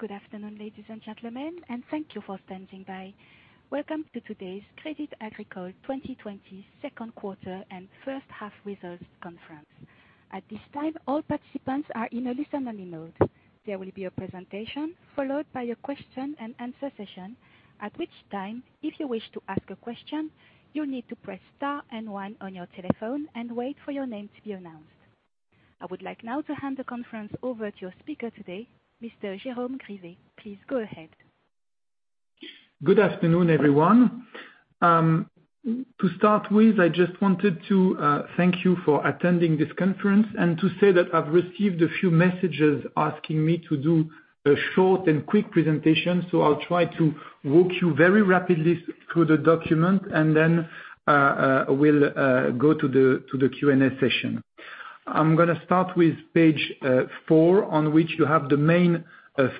Good afternoon, ladies and gentlemen, and thank you for standing by. Welcome to today's Crédit Agricole 2020 second quarter and first-half results conference. I would like now to hand the conference over to your speaker today, Mr. Jérôme Grivet. Please go ahead. Good afternoon, everyone. To start with, I just wanted to thank you for attending this conference and to say that I've received a few messages asking me to do a short and quick presentation. I'll try to walk you very rapidly through the document, and then we'll go to the Q&A session. I'm going to start with page four, on which you have the main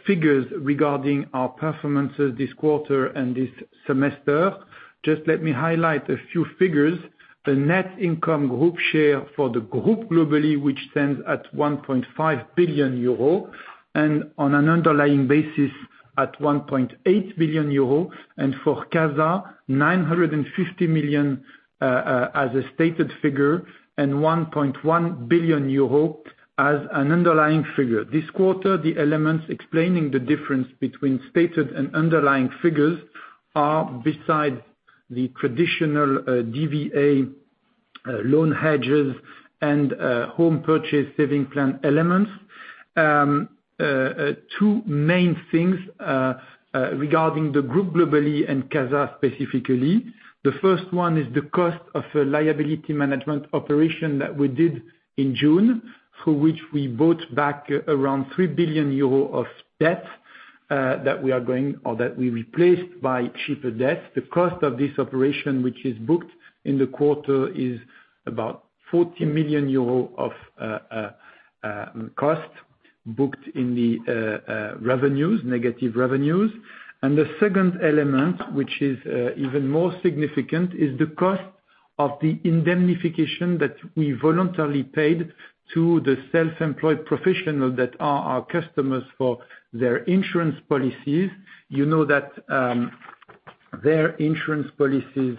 figures regarding our performances this quarter and this semester. Just let me highlight a few figures. The net income group share for the group globally, which stands at 1.5 billion euro, and on an underlying basis at 1.8 billion euro. For CASA, 950 million as a stated figure and 1.1 billion euro as an underlying figure. This quarter, the elements explaining the difference between stated and underlying figures are beside the traditional DVA loan hedges and home purchase saving plan elements. Two main things regarding the group globally and CASA specifically. The first one is the cost of a liability management operation that we did in June, through which we bought back around 3 billion euro of debt that we replaced by cheaper debt. The cost of this operation, which is booked in the quarter, is about 40 million euros of cost booked in the negative revenues. The second element, which is even more significant, is the cost of the indemnification that we voluntarily paid to the self-employed professional that are our customers for their insurance policies. You know that their insurance policies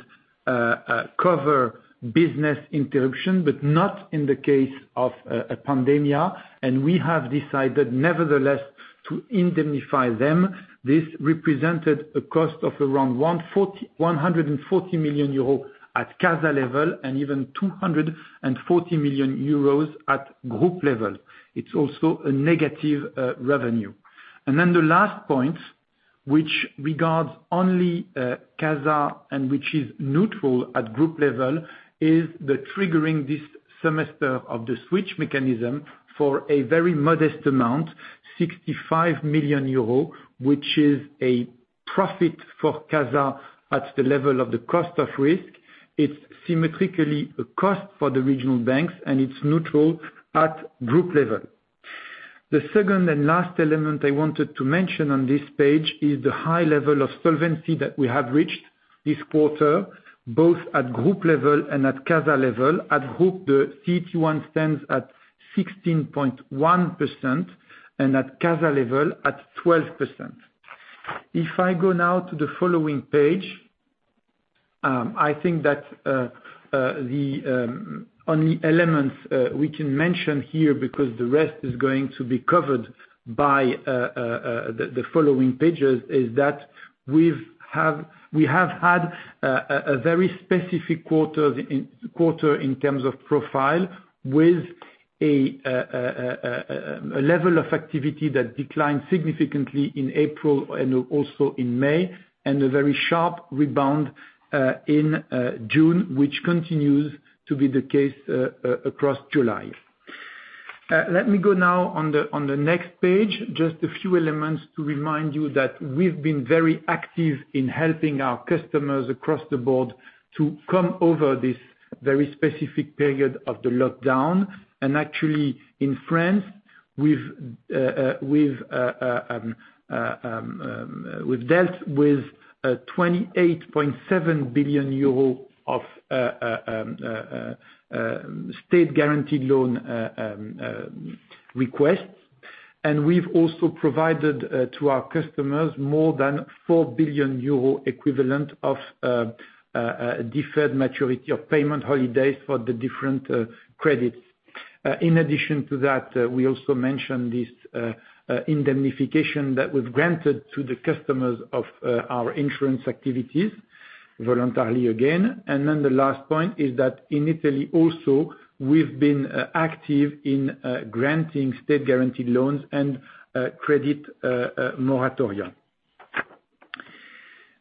cover business interruption, but not in the case of a pandemia, and we have decided nevertheless to indemnify them. This represented a cost of around 140 million euros at CASA level and even 240 million euros at group level. It's also a negative revenue. The last point, which regards only CASA and which is neutral at group level, is the triggering this semester of the switch mechanism for a very modest amount, 65 million euros, which is a profit for CASA at the level of the cost of risk. It is symmetrically a cost for the regional banks, and it is neutral at group level. The second and last element I wanted to mention on this page is the high level of solvency that we have reached this quarter, both at group level and at CASA level. At group, the CET1 stands at 16.1% and at CASA level at 12%. If I go now to the following page, I think that on the elements we can mention here, because the rest is going to be covered by the following pages, is that we have had a very specific quarter in terms of profile with a level of activity that declined significantly in April and also in May, and a very sharp rebound in June, which continues to be the case across July. Let me go now on the next page. Just a few elements to remind you that we've been very active in helping our customers across the board to come over this very specific period of the lockdown. Actually, in France, we've dealt with a 28.7 billion euro of state-guaranteed loan requests, and we've also provided to our customers more than 4 billion euro equivalent of deferred maturity of payment holidays for the different credits. In addition to that, we also mentioned this indemnification that was granted to the customers of our insurance activities voluntarily again. The last point is that in Italy also, we've been active in granting state-guaranteed loans and credit moratoria.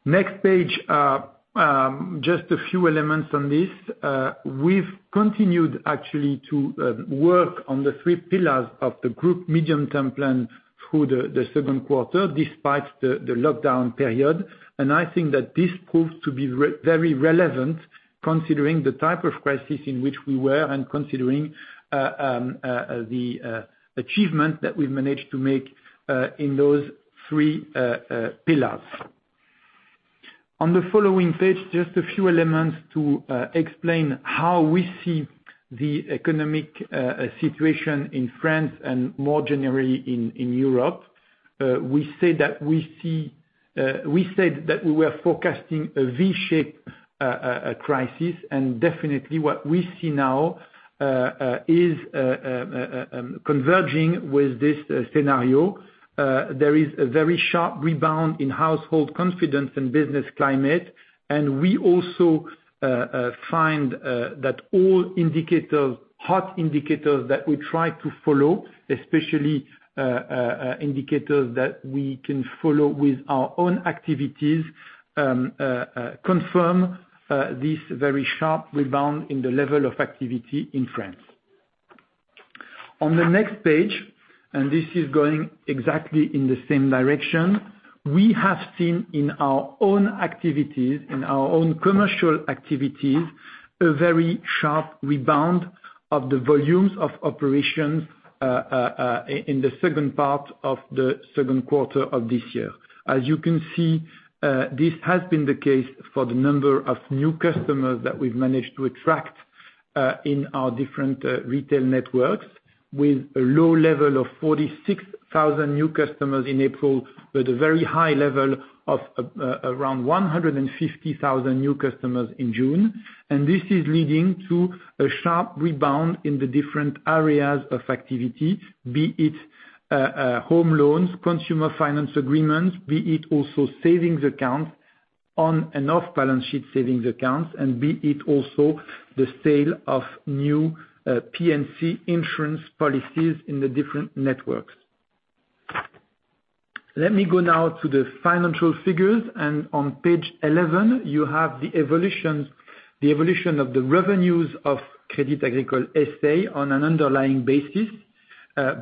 Next page, just a few elements on this. We've continued actually to work on the three pillars of the group medium-term plan through the second quarter, despite the lockdown period. I think that this proved to be very relevant considering the type of crisis in which we were and considering the achievement that we've managed to make in those three pillars. On the following page, just a few elements to explain how we see the economic situation in France and more generally in Europe. We said that we were forecasting a V-shaped crisis, and definitely what we see now is converging with this scenario. There is a very sharp rebound in household confidence and business climate, and we also find that all hot indicators that we try to follow, especially indicators that we can follow with our own activities, confirm this very sharp rebound in the level of activity in France. On the next page, and this is going exactly in the same direction, we have seen in our own commercial activities, a very sharp rebound of the volumes of operations in the second part of the second quarter of this year. As you can see, this has been the case for the number of new customers that we've managed to attract in our different retail networks, with a low level of 46,000 new customers in April, with a very high level of around 150,000 new customers in June. This is leading to a sharp rebound in the different areas of activity, be it home loans, consumer finance agreements, be it also savings accounts on and off-balance sheet savings accounts, and be it also the sale of new P&C insurance policies in the different networks. Let me go now to the financial figures, and on page 11, you have the evolution of the revenues of Crédit Agricole S.A. on an underlying basis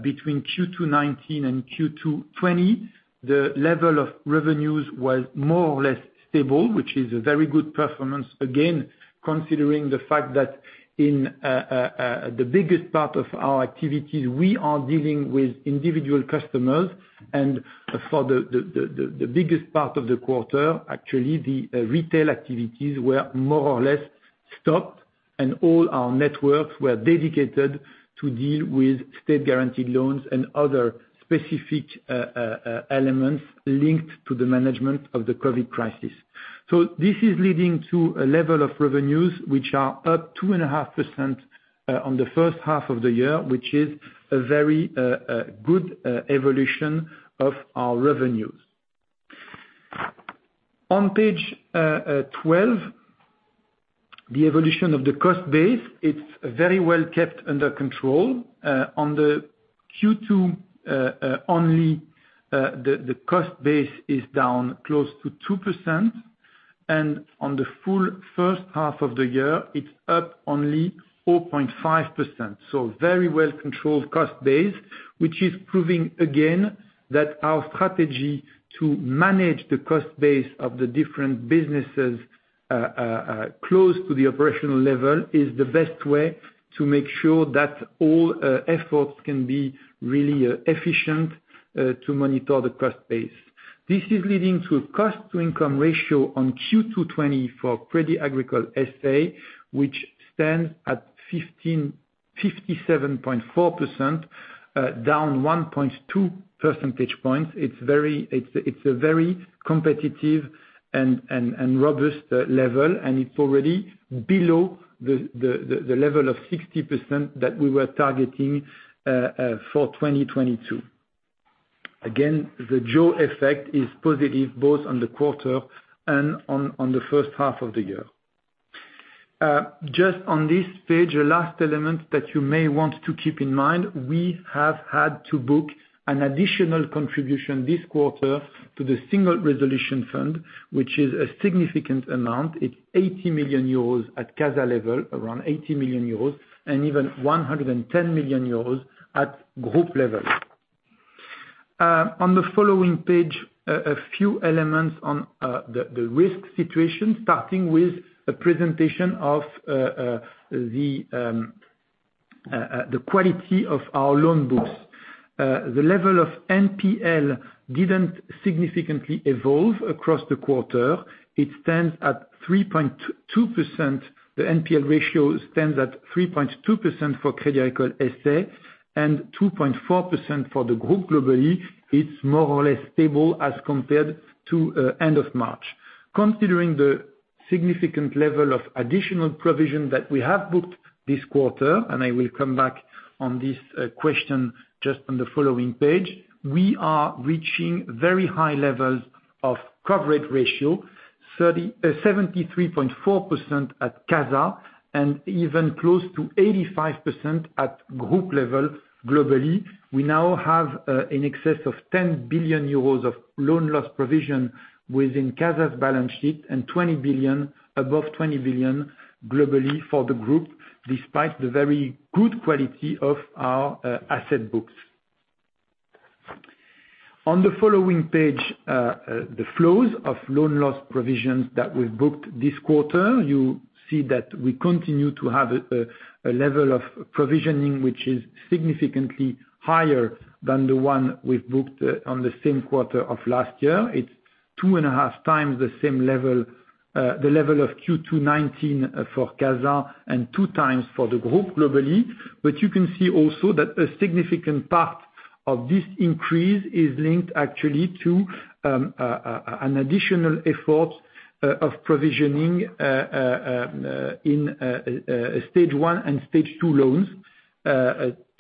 between Q2 '19 and Q2 '20. The level of revenues was more or less stable, which is a very good performance, again, considering the fact that in the biggest part of our activities, we are dealing with individual customers, and for the biggest part of the quarter, actually, the retail activities were more or less stopped, and all our networks were dedicated to deal with state-guaranteed loans and other specific elements linked to the management of the COVID crisis. This is leading to a level of revenues which are up 2.5% on the first half of the year, which is a very good evolution of our revenues. On page 12, the evolution of the cost base, it's very well kept under control. On the Q2 only, the cost base is down close to 2%. On the full first half of the year, it's up only 4.5%. Very well controlled cost base, which is proving, again, that our strategy to manage the cost base of the different businesses close to the operational level is the best way to make sure that all efforts can be really efficient to monitor the cost base. This is leading to a cost-to-income ratio on Q2 2020 for Crédit Agricole S.A., which stands at 57.4%, down 1.2 percentage points. It's a very competitive and robust level, and it's already below the level of 60% that we were targeting for 2022. The jaws effect is positive both on the quarter and on the first half of the year. A last element that you may want to keep in mind, we have had to book an additional contribution this quarter to the Single Resolution Fund, which is a significant amount. It's 80 million euros at CASA level, around 80 million euros, and even 110 million euros at group level. On the following page, a few elements on the risk situation, starting with a presentation of the quality of our loan books. The level of NPL didn't significantly evolve across the quarter. The NPL ratio stands at 3.2% for Crédit Agricole S.A. and 2.4% for the group globally. It's more or less stable as compared to end of March. Considering the significant level of additional provision that we have booked this quarter, and I will come back on this question just on the following page, we are reaching very high levels of coverage ratio, 73.4% at CASA, and even close to 85% at group level globally. We now have in excess of 10 billion euros of loan loss provision within CASA's balance sheet, and above 20 billion globally for the group, despite the very good quality of our asset books. On the following page, the flows of loan loss provisions that we've booked this quarter, you see that we continue to have a level of provisioning which is significantly higher than the one we've booked on the same quarter of last year. It's two and a half times the level of Q2 '19 for CASA, and two times for the group globally. You can see also that a significant part of this increase is linked actually to an additional effort of provisioning in stage 1 and stage 2 loans.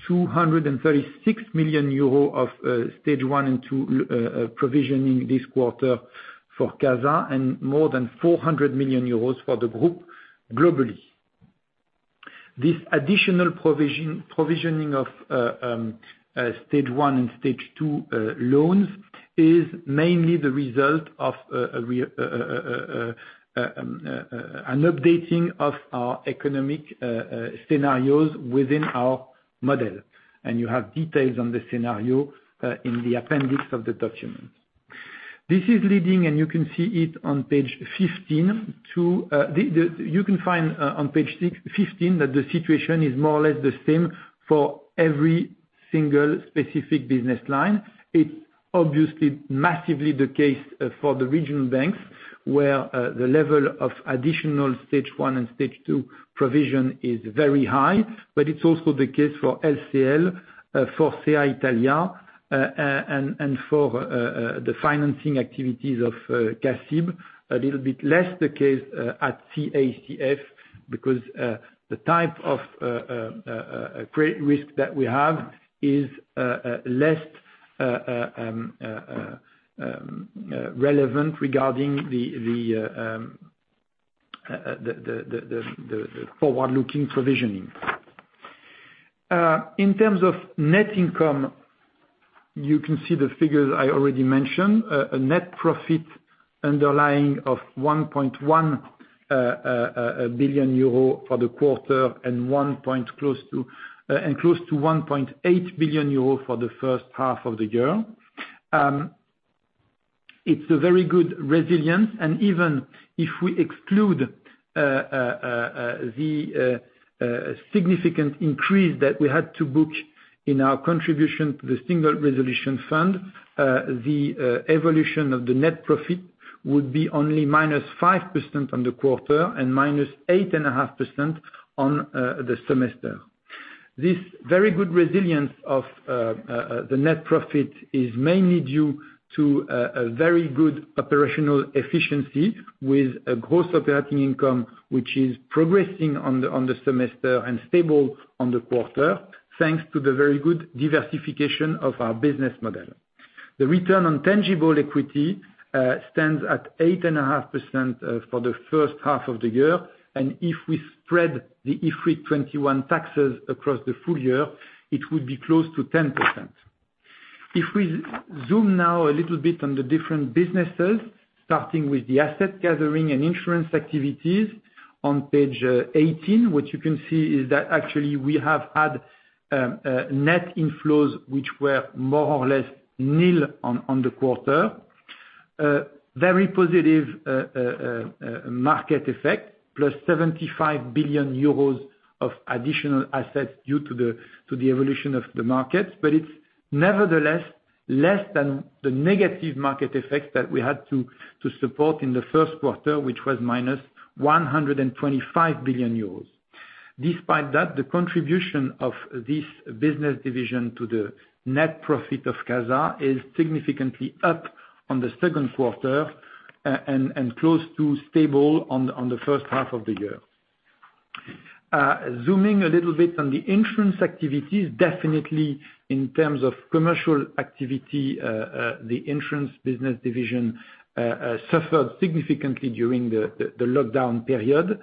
236 million euro of stage 1 and 2 provisioning this quarter for CASA, and more than 400 million euros for the group globally. This additional provisioning of stage 1 and stage 2 loans is mainly the result of an updating of our economic scenarios within our model, and you have details on the scenario in the appendix of the document. This is leading, you can see it on page 15. You can find on page 15 that the situation is more or less the same for every single specific business line. It's obviously massively the case for the regional banks, where the level of additional stage 1 and stage 2 provision is very high, it's also the case for LCL, for CA Italia, and for the financing activities of CACIB, a little bit less the case at CACF because the type of credit risk that we have is less relevant regarding the forward-looking provisioning. In terms of net income, you can see the figures I already mentioned, a net profit underlying of 1.1 billion euro for the quarter, and close to 1.8 billion euro for the first half of the year. It's a very good resilience, even if we exclude the significant increase that we had to book in our contribution to the Single Resolution Fund, the evolution of the net profit would be only minus 5% on the quarter and minus 8.5% on the semester. This very good resilience of the net profit is mainly due to a very good operational efficiency with a gross operating income, which is progressing on the semester and stable on the quarter, thanks to the very good diversification of our business model. The return on tangible equity stands at 8.5% for the first half of the year. If we spread the IFRIC 21 taxes across the full year, it would be close to 10%. If we zoom now a little bit on the different businesses, starting with the asset gathering and insurance activities on page 18, what you can see is that actually we have had net inflows which were more or less nil on the quarter. Very positive market effect, plus 75 billion euros of additional assets due to the evolution of the markets. It's nevertheless less than the negative market effect that we had to support in the first quarter, which was minus 125 billion euros. Despite that, the contribution of this business division to the net profit of CASA is significantly up on the second quarter and close to stable on the first half of the year. Zooming a little bit on the insurance activities, definitely in terms of commercial activity, the insurance business division suffered significantly during the lockdown period.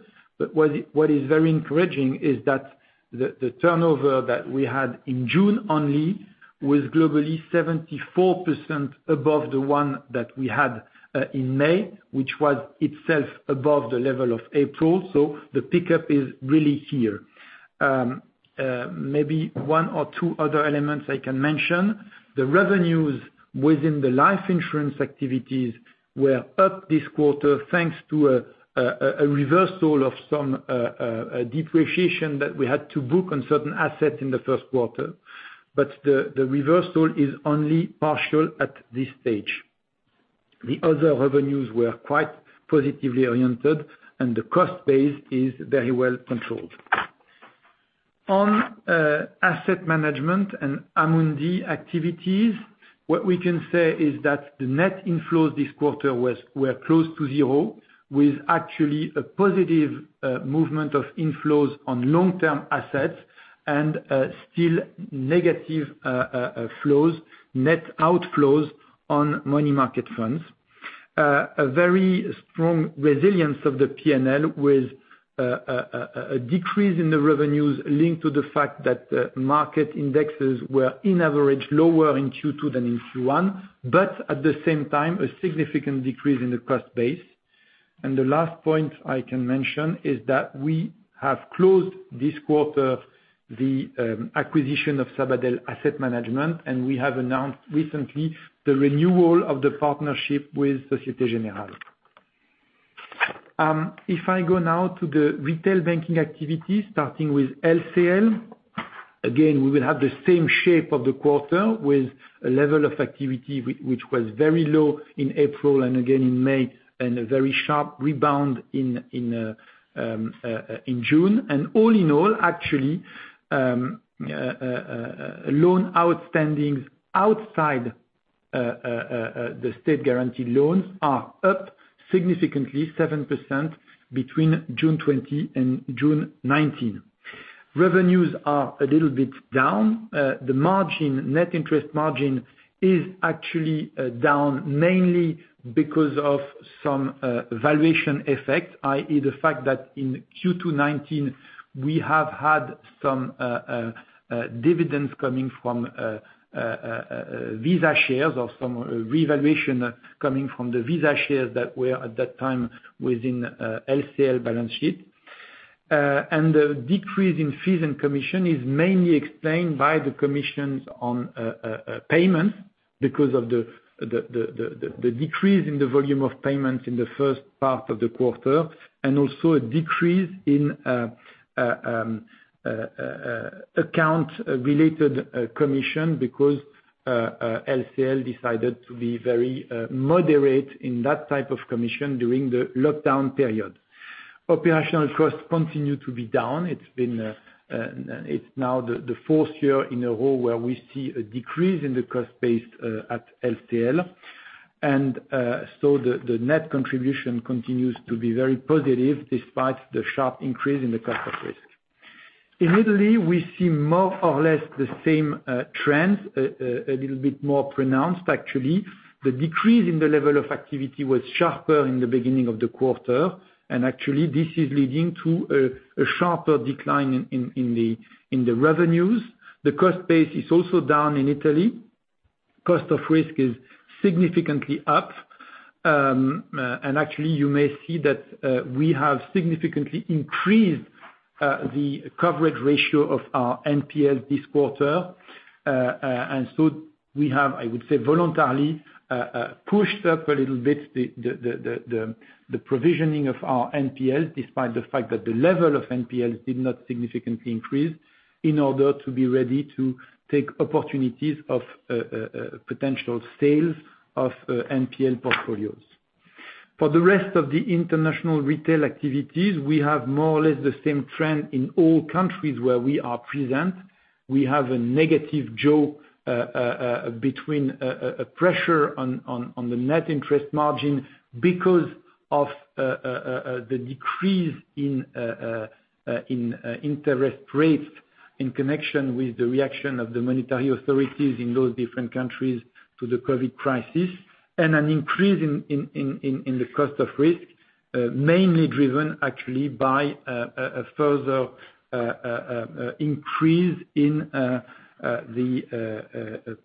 What is very encouraging is that the turnover that we had in June only was globally 74% above the one that we had in May, which was itself above the level of April. The pickup is really here. Maybe one or two other elements I can mention. The revenues within the life insurance activities were up this quarter, thanks to a reversal of some depreciation that we had to book on certain assets in the first quarter. The reversal is only partial at this stage. The other revenues were quite positively oriented, and the cost base is very well controlled. On asset management and Amundi activities, what we can say is that the net inflows this quarter were close to zero, with actually a positive movement of inflows on long-term assets and still negative net outflows on money market funds. A very strong resilience of the P&L with a decrease in the revenues linked to the fact that market indexes were on average, lower in Q2 than in Q1, but at the same time, a significant decrease in the cost base. The last point I can mention is that we have closed this quarter, the acquisition of Sabadell Asset Management, and we have announced recently the renewal of the partnership with Société Générale. If I go now to the retail banking activity, starting with LCL, again, we will have the same shape of the quarter with a level of activity which was very low in April and again in May, and a very sharp rebound in June. All in all, actually, loan outstanding outside the state-guaranteed loans are up significantly 7% between June 2020 and June 2019. Revenues are a little bit down. The net interest margin is actually down, mainly because of some valuation effect, i.e., the fact that in Q2 2019, we have had some dividends coming from Visa shares or some revaluation coming from the Visa shares that were at that time within LCL balance sheet. The decrease in fees and commission is mainly explained by the commissions on payments, because of the decrease in the volume of payments in the first half of the quarter. Also a decrease in account-related commission because LCL decided to be very moderate in that type of commission during the lockdown period. Operational costs continue to be down. It's now the fourth year in a row where we see a decrease in the cost base at LCL. The net contribution continues to be very positive despite the sharp increase in the cost of risk. In Italy, we see more or less the same trends, a little bit more pronounced actually. The decrease in the level of activity was sharper in the beginning of the quarter, and actually this is leading to a sharper decline in the revenues. The cost base is also down in Italy. Cost of risk is significantly up. Actually, you may see that we have significantly increased the coverage ratio of our NPL this quarter. We have, I would say, voluntarily, pushed up a little bit the provisioning of our NPL, despite the fact that the level of NPL did not significantly increase, in order to be ready to take opportunities of potential sales of NPL portfolios. For the rest of the international retail activities, we have more or less the same trend in all countries where we are present. We have a negative jaws effect between pressure on the net interest margin because of the decrease in interest rates in connection with the reaction of the monetary authorities in those different countries to the COVID crisis. An increase in the cost of risk, mainly driven actually by a further increase in the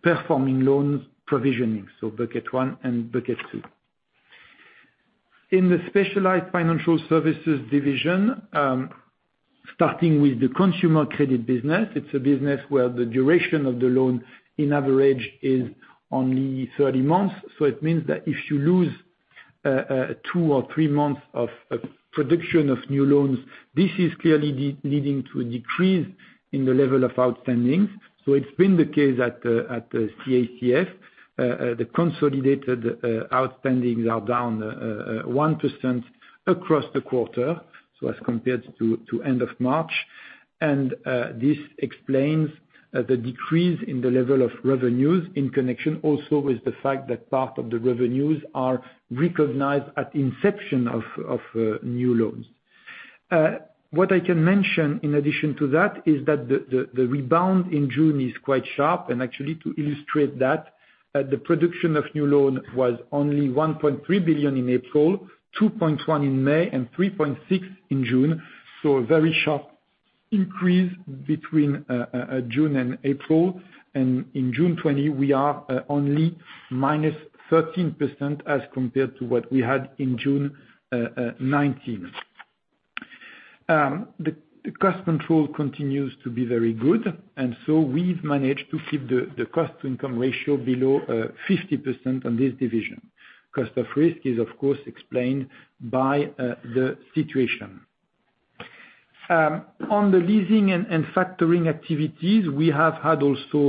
performing loans provisioning, so bucket 1 and bucket 2. In the specialized financial services division, starting with the consumer credit business, it's a business where the duration of the loan in average is only 30 months. It means that if you lose two or three months of production of new loans, this is clearly leading to a decrease in the level of outstanding. It's been the case at CACF. The consolidated outstandings are down 1% across the quarter, so as compared to end of March. This explains the decrease in the level of revenues in connection also with the fact that part of the revenues are recognized at inception of new loans. What I can mention in addition to that is that the rebound in June is quite sharp. Actually, to illustrate that, the production of new loan was only 1.3 billion in April, 2.1 billion in May, and 3.6 billion in June. A very sharp increase between June and April. In June 2020, we are only minus 13% as compared to what we had in June 2019. The cost control continues to be very good, and so we've managed to keep the cost-to-income ratio below 50% on this division. Cost of risk is, of course, explained by the situation. On the leasing and factoring activities, we have had also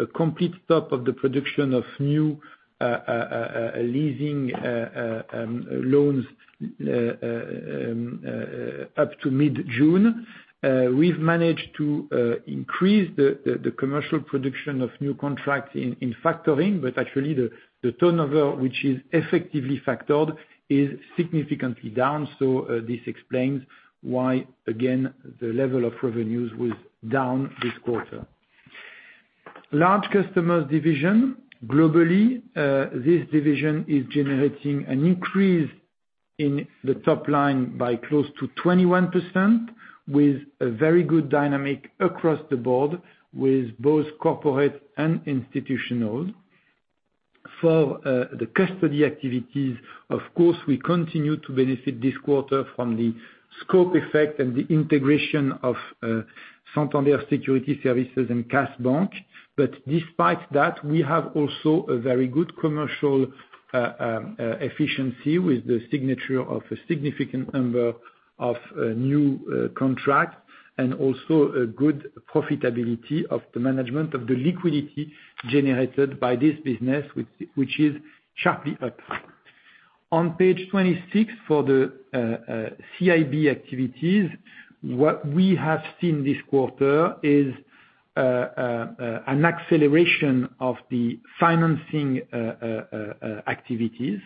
a complete stop of the production of new leasing loans up to mid-June. We've managed to increase the commercial production of new contracts in factoring, but actually, the turnover, which is effectively factored, is significantly down. This explains why, again, the level of revenues was down this quarter. Large customers division. Globally, this division is generating an increase in the top line by close to 21%, with a very good dynamic across the board with both corporate and institutional. For the custody activities, of course, we continue to benefit this quarter from the scope effect and the integration of Santander Securities Services and KAS BANK. Despite that, we have also a very good commercial efficiency with the signature of a significant number of new contracts and also a good profitability of the management of the liquidity generated by this business, which is sharply up. On page 26 for the CIB activities, what we have seen this quarter is an acceleration of the financing activities,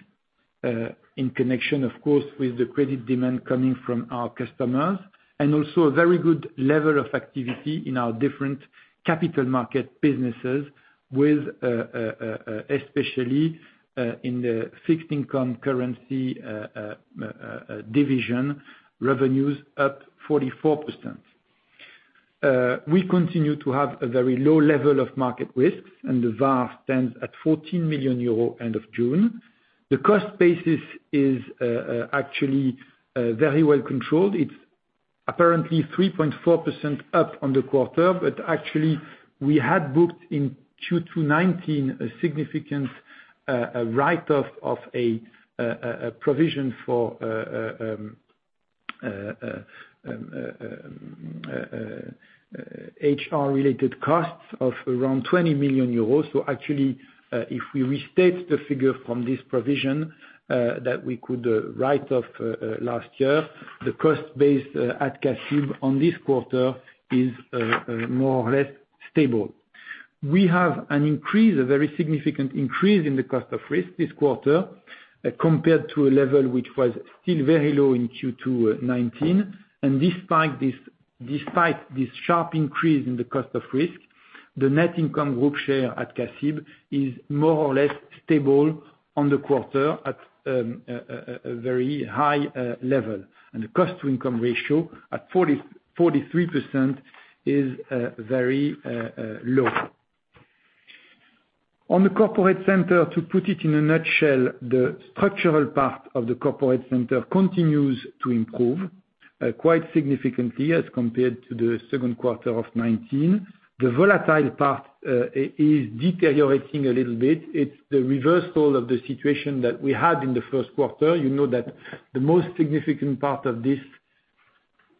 in connection of course, with the credit demand coming from our customers, and also a very good level of activity in our different capital market businesses with, especially in the fixed income currency division, revenues up 44%. We continue to have a very low level of market risks, and the VaR stands at 14 million euro end of June. The cost basis is actually very well controlled. It's apparently 3.4% up on the quarter, but actually we had booked in Q2 2019 a significant write-off of a provision for HR-related costs of around 20 million euros. Actually, if we restate the figure from this provision that we could write off last year, the cost base at CACIB on this quarter is more or less stable. We have an increase, a very significant increase in the cost of risk this quarter, compared to a level which was still very low in Q2 2019. Despite this sharp increase in the cost of risk, the net income group share at CACIB is more or less stable on the quarter at a very high level. The cost to income ratio at 43% is very low. On the corporate center, to put it in a nutshell, the structural part of the corporate center continues to improve, quite significantly as compared to the second quarter of 2019. The volatile part is deteriorating a little bit. It's the reversal of the situation that we had in the first quarter. You know that the most significant part of this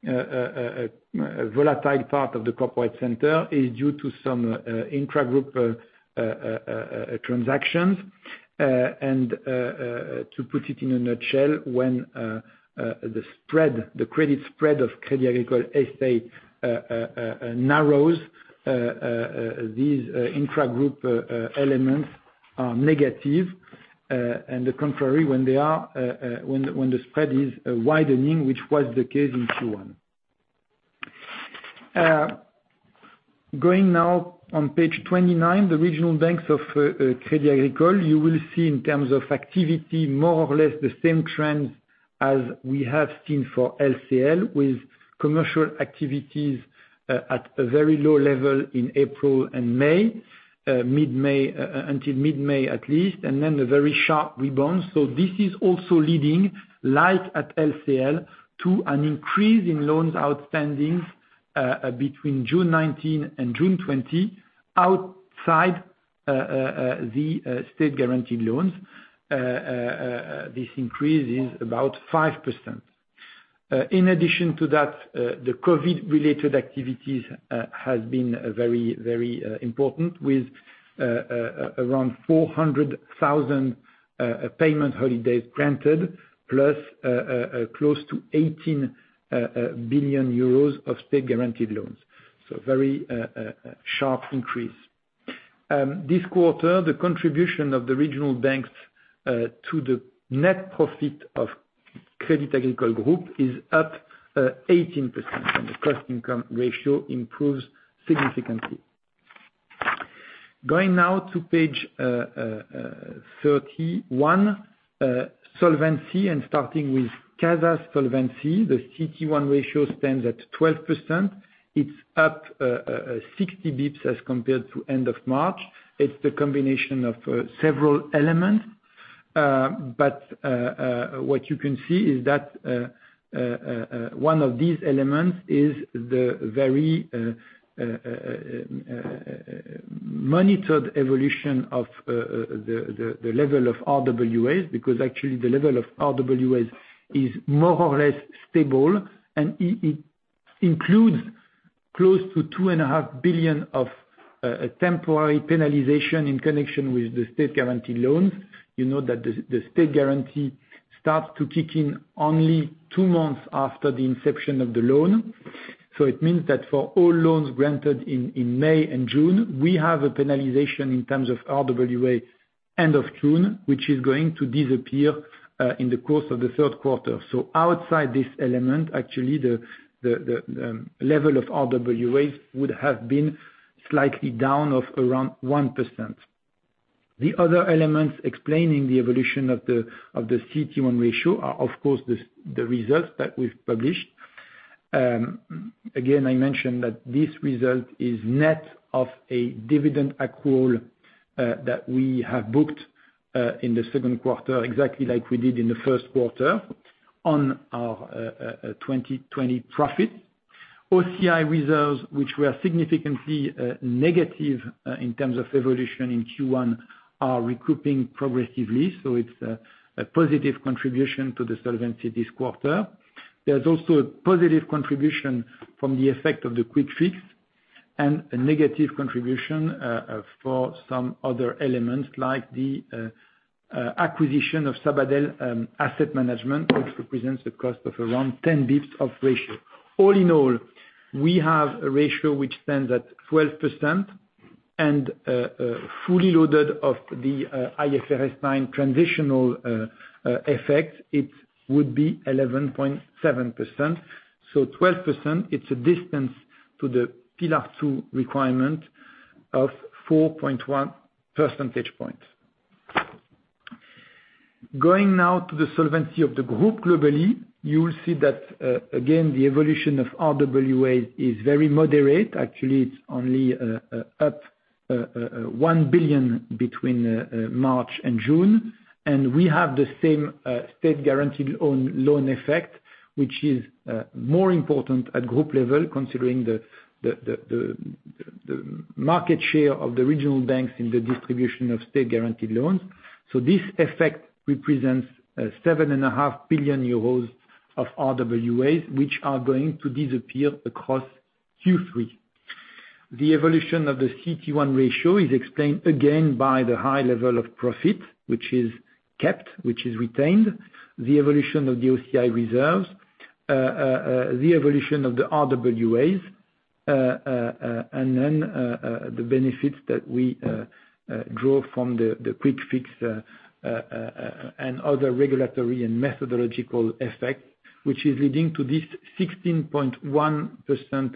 volatile part of the corporate center is due to some intragroup transactions. To put it in a nutshell, when the credit spread of Crédit Agricole S.A. narrows, these intragroup elements are negative. The contrary, when the spread is widening, which was the case in Q1. Going now on page 29, the regional banks of Crédit Agricole, you will see in terms of activity, more or less the same trends as we have seen for LCL, with commercial activities at a very low level in April and May, until mid-May at least, and then a very sharp rebound. This is also leading, like at LCL, to an increase in loans outstanding between June 2019 and June 2020, outside the state-guaranteed loans. This increase is about 5%. In addition to that, the COVID-related activities has been very important with around 400,000 payment holidays granted, plus close to 18 billion euros of state-guaranteed loans. A very sharp increase. This quarter, the contribution of the regional banks to the net profit of Crédit Agricole Group is up 18% and the cost income ratio improves significantly. Going now to page 31, solvency and starting with CASA's Solvency. The CET1 ratio stands at 12%. It's up 60 basis points as compared to end of March. It's the combination of several elements. What you can see is that one of these elements is the very monitored evolution of the level of RWA, because actually the level of RWA is more or less stable, and it includes close to 2.5 billion of temporary penalization in connection with the state-guaranteed loans. You know that the state guarantee starts to kick in only two months after the inception of the loan. It means that for all loans granted in May and June, we have a penalization in terms of RWA end of June, which is going to disappear in the course of the third quarter. Outside this element, actually, the level of RWA would have been slightly down of around 1%. The other elements explaining the evolution of the CET1 ratio are, of course, the results that we've published. Again, I mentioned that this result is net of a dividend accrual that we have booked in the second quarter, exactly like we did in the first quarter, on our 2020 profit. OCI reserves, which were significantly negative in terms of evolution in Q1, are recouping progressively. It's a positive contribution to the solvency this quarter. There's also a positive contribution from the effect of the quick fix, and a negative contribution for some other elements like the acquisition of Sabadell Asset Management, which represents the cost of around 10 basis points of ratio. All in all, we have a ratio which stands at 12% and fully loaded of the IFRS 9 transitional effect, it would be 11.7%. 12%, it's a distance to the Pillar 2 requirement of 4.1 percentage points. Going now to the solvency of the group globally, you will see that, again, the evolution of RWA is very moderate. Actually, it's only up 1 billion between March and June. We have the same state guaranteed loan effect, which is more important at group level considering the market share of the regional banks in the distribution of state guaranteed loans. This effect represents 7.5 billion euros of RWAs, which are going to disappear across Q3. The evolution of the CET1 ratio is explained again by the high level of profit, which is kept, which is retained, the evolution of the OCI reserves, the evolution of the RWAs, then the benefits that we draw from the quick fixes, and other regulatory and methodological effect, which is leading to this 16.1%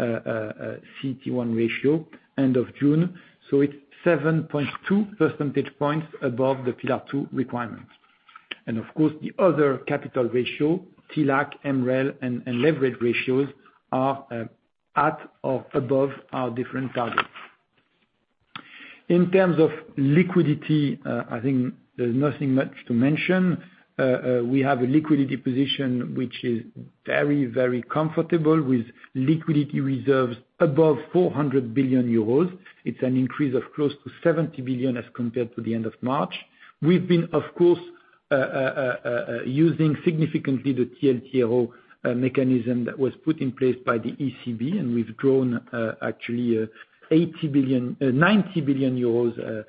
CET1 ratio end of June. It's 7.2 percentage points above the Pillar 2 requirements. Of course, the other capital ratio, TLAC, MREL, and leverage ratios are at or above our different targets. In terms of liquidity, I think there's nothing much to mention. We have a liquidity position which is very, very comfortable with liquidity reserves above 400 billion euros. It's an increase of close to 70 billion as compared to the end of March. We've been, of course, using significantly the TLTRO mechanism that was put in place by the ECB, and we've grown actually 90 billion euros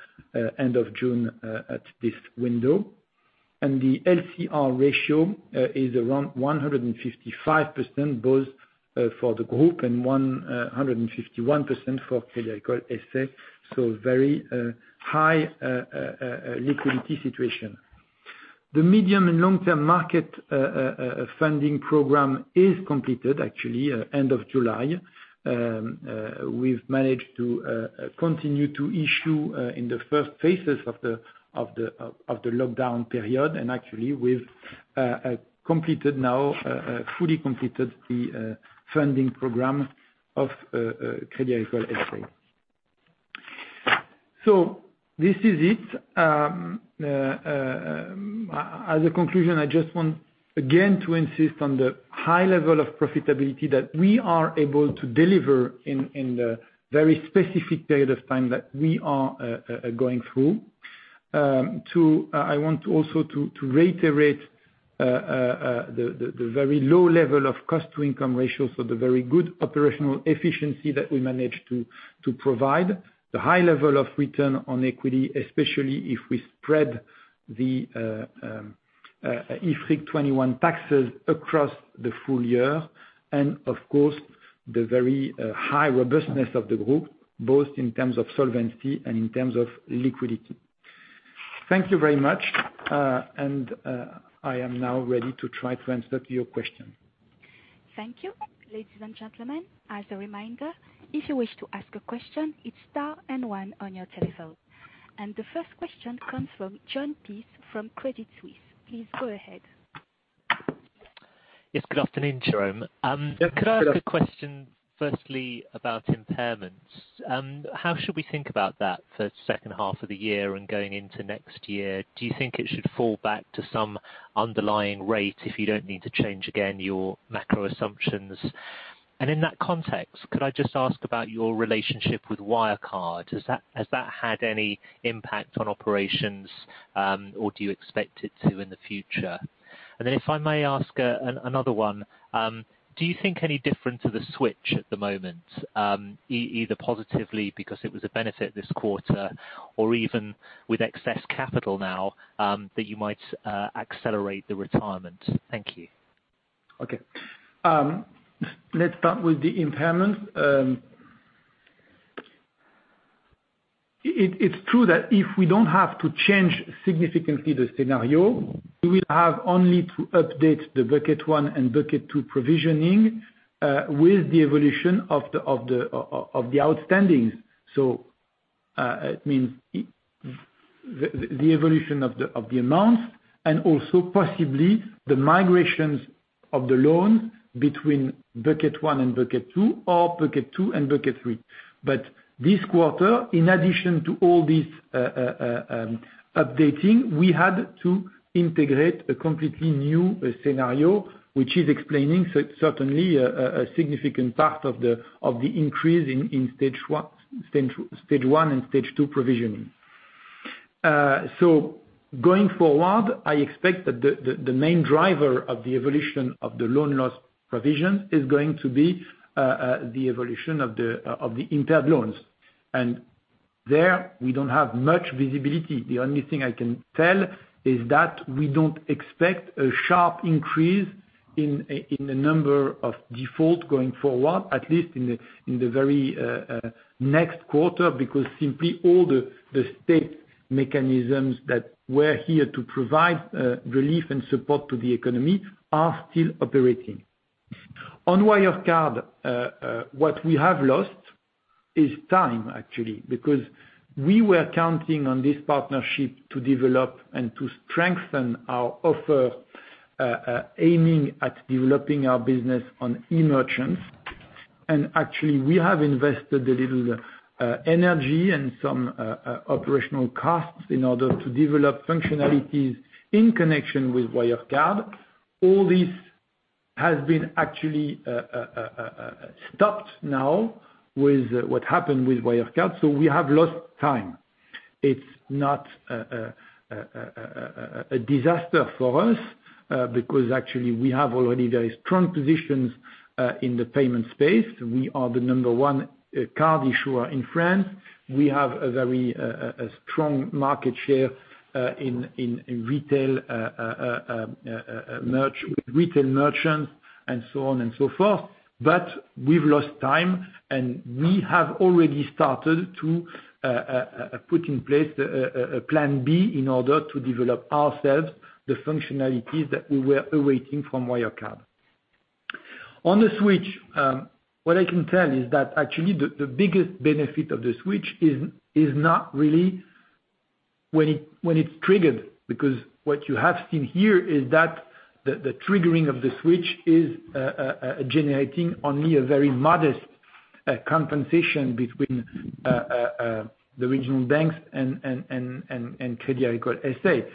end of June at this window. The LCR ratio is around 155%, both for the group and 151% for Crédit Agricole S.A. Very high liquidity situation. The medium and long-term market funding program is completed actually end of July. We've managed to continue to issue in the first phases of the lockdown period, and actually, we've fully completed the funding program of Crédit Agricole S.A. This is it. As a conclusion, I just want, again, to insist on the high level of profitability that we are able to deliver in the very specific period of time that we are going through. Two, I want also to reiterate the very low level of cost to income ratio, so the very good operational efficiency that we managed to provide, the high level of return on equity, especially if we spread the IFRIC 21 taxes across the full year, and of course, the very high robustness of the group, both in terms of solvency and in terms of liquidity. Thank you very much. I am now ready to try to answer to your question. Thank you. Ladies and gentlemen, as a reminder, if you wish to ask a question, it's star and one on your telephone. The first question comes from Jon Peace from Credit Suisse. Please go ahead. Yes, good afternoon, Jérôme. Yeah. Could I ask a question firstly about impairments. How should we think about that for the second half of the year and going into next year? Do you think it should fall back to some underlying rate if you don't need to change again your macro assumptions? In that context, could I just ask about your relationship with Wirecard? Has that had any impact on operations, or do you expect it to in the future? If I may ask another one, do you think any different to the switch at the moment, either positively because it was a benefit this quarter or even with excess capital now, that you might accelerate the retirement? Thank you. Okay. Let's start with the impairment. It's true that if we don't have to change significantly the scenario, we will have only to update the bucket 1 and bucket 2 provisioning, with the evolution of the outstandings. It means the evolution of the amounts, and also possibly the migrations of the loans between bucket 1 and bucket 2, or bucket 2 and bucket 3. This quarter, in addition to all this updating, we had to integrate a completely new scenario, which is explaining certainly, a significant part of the increase in stage 1 and stage 2 provisioning. Going forward, I expect that the main driver of the evolution of the loan loss provision is going to be the evolution of the impaired loans. There, we don't have much visibility. The only thing I can tell is that we don't expect a sharp increase in the number of defaults going forward, at least in the very next quarter, because simply all the state mechanisms that were here to provide relief and support to the economy are still operating. On Wirecard, what we have lost is time, actually, because we were counting on this partnership to develop and to strengthen our offer, aiming at developing our business on e-merchants. Actually, we have invested a little energy and some operational costs in order to develop functionalities in connection with Wirecard. All this has been actually stopped now with what happened with Wirecard. We have lost time. It's not a disaster for us, because actually we have already very strong positions in the payment space. We are the number 1 card issuer in France. We have a very strong market share in retail merchants, and so on and so forth. We've lost time, and we have already started to put in place a plan B in order to develop ourselves, the functionalities that we were awaiting from Wirecard. On the switch, what I can tell is that actually, the biggest benefit of the switch is not really when it's triggered, because what you have seen here is that the triggering of the switch is generating only a very modest compensation between the regional banks and Crédit Agricole S.A.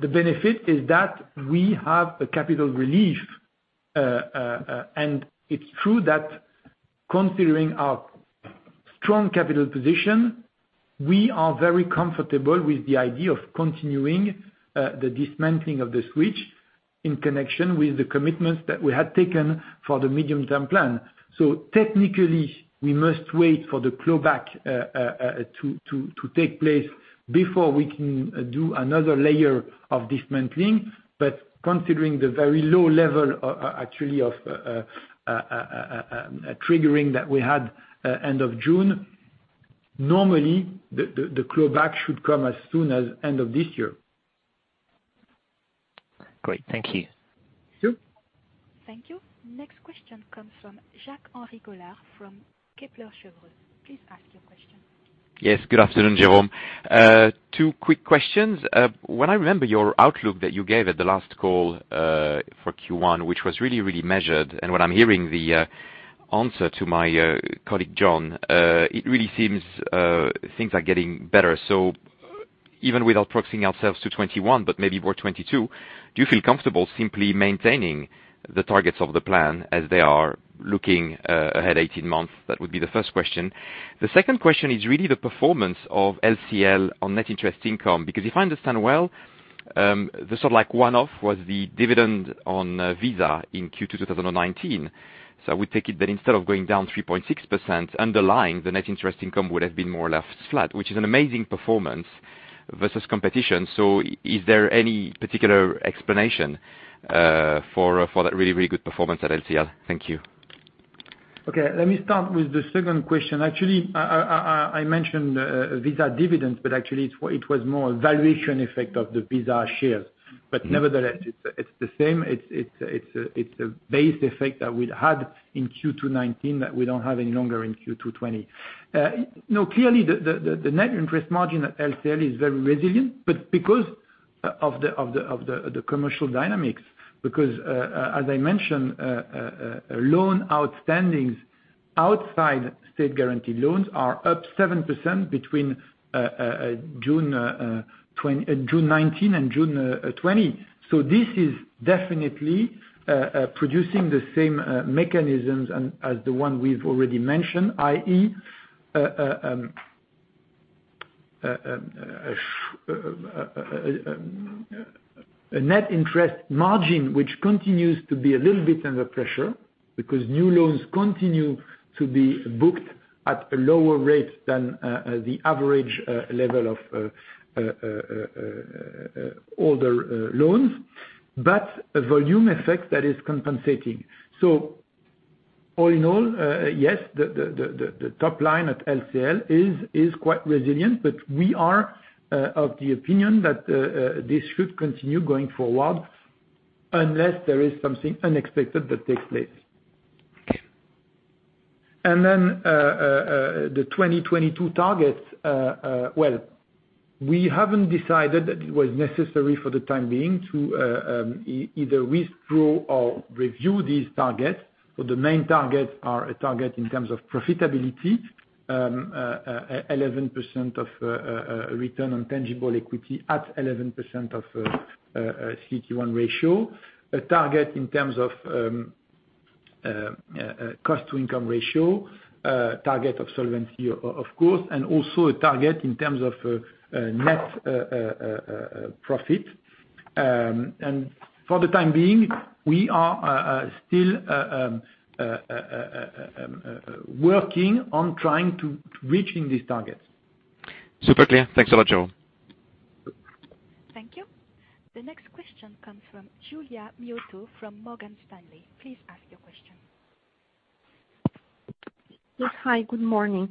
The benefit is that we have a capital relief, and it's true that considering our strong capital position, we are very comfortable with the idea of continuing the dismantling of the switch in connection with the commitments that we had taken for the medium-term plan. Technically, we must wait for the clawback to take place before we can do another layer of dismantling. Considering the very low level, actually, of triggering that we had end of June, normally, the clawback should come as soon as end of this year. Great. Thank you. Sure. Thank you. Next question comes from Jacques-Henri Gaulard from Kepler Cheuvreux. Please ask your question. Yes. Good afternoon, Jérôme. Two quick questions. I remember your outlook that you gave at the last call for Q1, which was really, really measured, when I'm hearing the answer to my colleague, Jon, it really seems things are getting better. Even without proxying ourselves to 2021, but maybe more 2022, do you feel comfortable simply maintaining the targets of the plan as they are, looking ahead 18 months? That would be the first question. The second question is really the performance of LCL on net interest income, because if I understand well, the sort of one-off was the dividend on Visa in Q2 2019. I would take it that instead of going down 3.6%, underlying, the net interest income would have been more or less flat, which is an amazing performance versus competition. Is there any particular explanation for that really good performance at LCL? Thank you. Let me start with the second question. Actually, I mentioned Visa dividends, actually, it was more a valuation effect of the Visa shares. Nevertheless, it's the same. It's a base effect that we'd had in Q2 2019 that we don't have any longer in Q2 2020. Clearly, the net interest margin at LCL is very resilient, because of the commercial dynamics, because as I mentioned, loan outstanding outside state-guaranteed loans are up 7% between June 2019 and June 2020. This is definitely producing the same mechanisms as the one we've already mentioned, i.e., a net interest margin, which continues to be a little bit under pressure, because new loans continue to be booked at a lower rate than the average level of older loans, a volume effect that is compensating. All in all, yes, the top line at LCL is quite resilient, but we are of the opinion that this should continue going forward unless there is something unexpected that takes place. The 2022 targets. Well, we haven't decided that it was necessary for the time being to either withdraw or review these targets. The main targets are a target in terms of profitability, 11% of return on tangible equity at 11% of CET1 ratio. A target in terms of cost to income ratio, a target of solvency, of course, and also a target in terms of net profit. For the time being, we are still working on trying to reaching these targets. Super clear. Thanks a lot, Jérôme. Thank you. The next question comes from Giulia Miotto from Morgan Stanley. Please ask your question. Yes. Hi, good morning.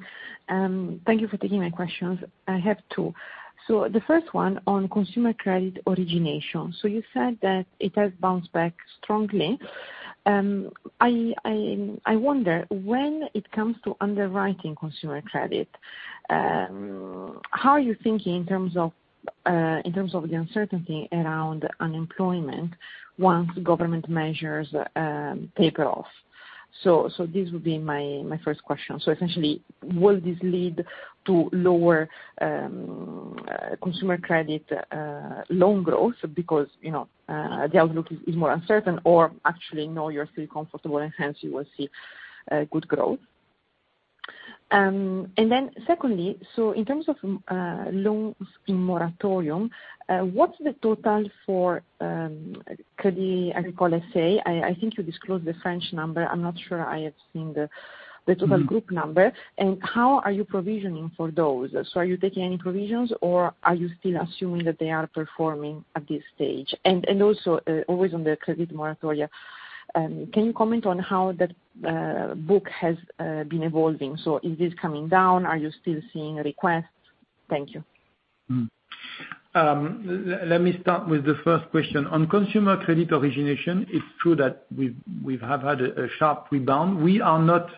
Thank you for taking my questions. I have two. The first one on consumer credit origination. You said that it has bounced back strongly. I wonder when it comes to underwriting consumer credit, how are you thinking in terms of the uncertainty around unemployment once government measures taper off? This would be my first question. Essentially, will this lead to lower consumer credit loan growth because the outlook is more uncertain or actually no, you're still comfortable and hence you will see good growth? Then secondly, in terms of loans in moratorium, what's the total for Crédit Agricole S.A.? I think you disclosed the French number. I'm not sure I have seen the total group number. How are you provisioning for those? Are you taking any provisions or are you still assuming that they are performing at this stage? Also, always on the credit moratoria, can you comment on how that book has been evolving? Is this coming down? Are you still seeing requests? Thank you. Let me start with the first question. On consumer credit origination, it's true that we have had a sharp rebound. We are not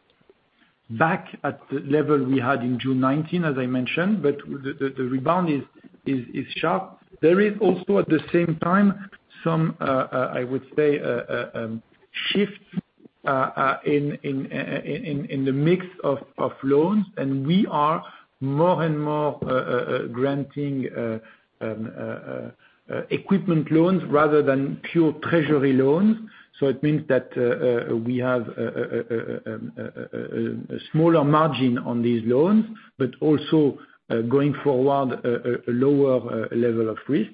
back at the level we had in June 2019, as I mentioned, but the rebound is sharp. There is also at the same time some, I would say, shifts in the mix of loans, we are more and more granting equipment loans rather than pure treasury loans. It means that we have a smaller margin on these loans, but also, going forward, a lower level of risk.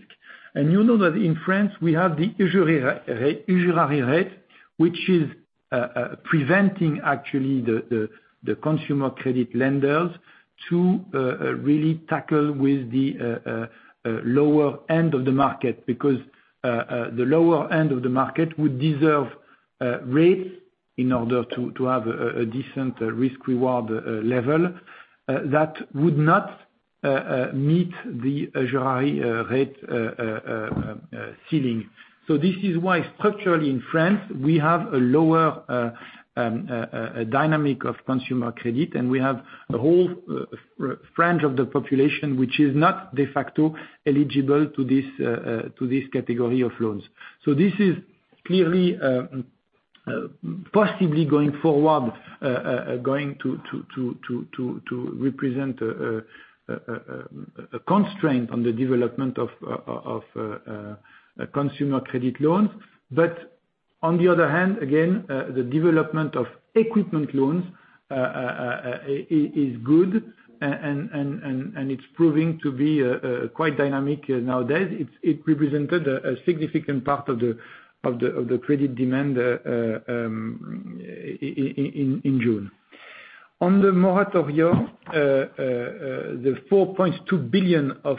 You know that in France, we have the usury rate, which is preventing actually the consumer credit lenders to really tackle with the lower end of the market, because the lower end of the market would deserve rates in order to have a decent risk reward level that would not meet the usury rate ceiling. This is why structurally in France, we have a lower dynamic of consumer credit, and we have a whole fringe of the population which is not de facto eligible to this category of loans. This is clearly, possibly going forward, going to represent a constraint on the development of consumer credit loans. On the other hand, again, the development of equipment loans is good, and it's proving to be quite dynamic nowadays. It represented a significant part of the credit demand in June. On the moratoria, the 4.2 billion of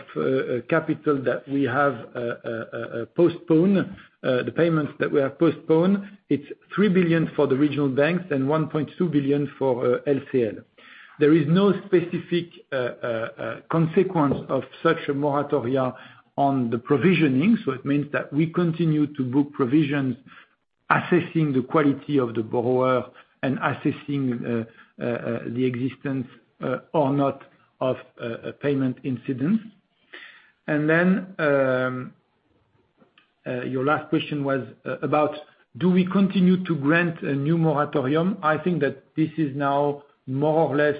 capital that we have postponed, the payments that we have postponed, it's 3 billion for the regional banks and 1.2 billion for LCL. There is no specific consequence of such a moratoria on the provisioning. It means that we continue to book provisions assessing the quality of the borrower and assessing the existence or not of a payment incident. Your last question was about, do we continue to grant a new moratorium? I think that this is now more or less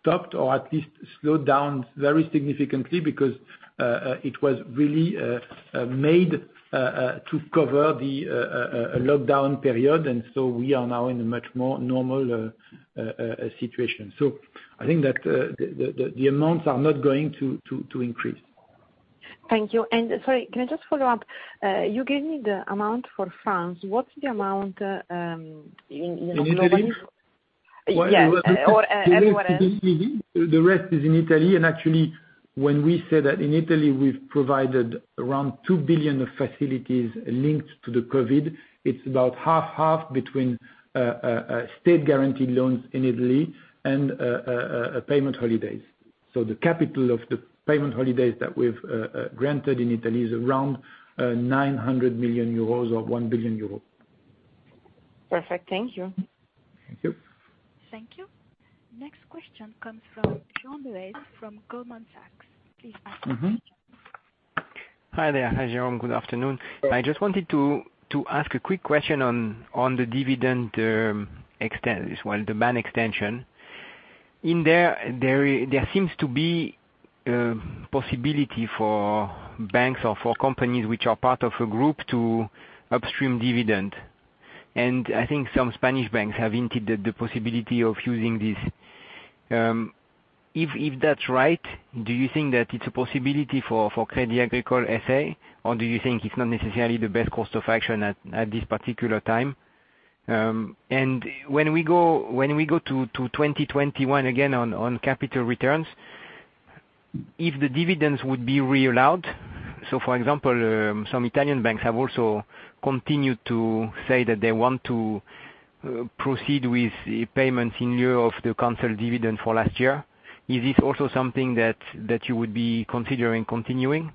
stopped or at least slowed down very significantly because it was really made to cover the lockdown period. We are now in a much more normal situation. I think that the amounts are not going to increase. Thank you. Sorry, can I just follow up? You gave me the amount for France. What's the amount in- In Italy? Yes, or anywhere else. The rest is in Italy. Actually, when we say that in Italy we've provided around 2 billion of facilities linked to the COVID, it's about half-half between state guaranteed loans in Italy and payment holidays. The capital of the payment holidays that we've granted in Italy is around 900 million euros or 1 billion euros. Perfect. Thank you. Thank you. Thank you. Next question comes from [John Ruiz] from Goldman Sachs. Please ask your question. Hi there. Hi, Jérôme. Good afternoon. I just wanted to ask a quick question on the dividend extension, well, the ban extension. There seems to be possibility for banks or for companies which are part of a group to upstream dividend. I think some Spanish banks have hinted at the possibility of using this. If that's right, do you think that it's a possibility for Crédit Agricole S.A., or do you think it's not necessarily the best course of action at this particular time? When we go to 2021, again, on capital returns, if the dividends would be re-allowed, so for example, some Italian banks have also continued to say that they want to proceed with payments in lieu of the canceled dividend for last year. Is this also something that you would be considering continuing?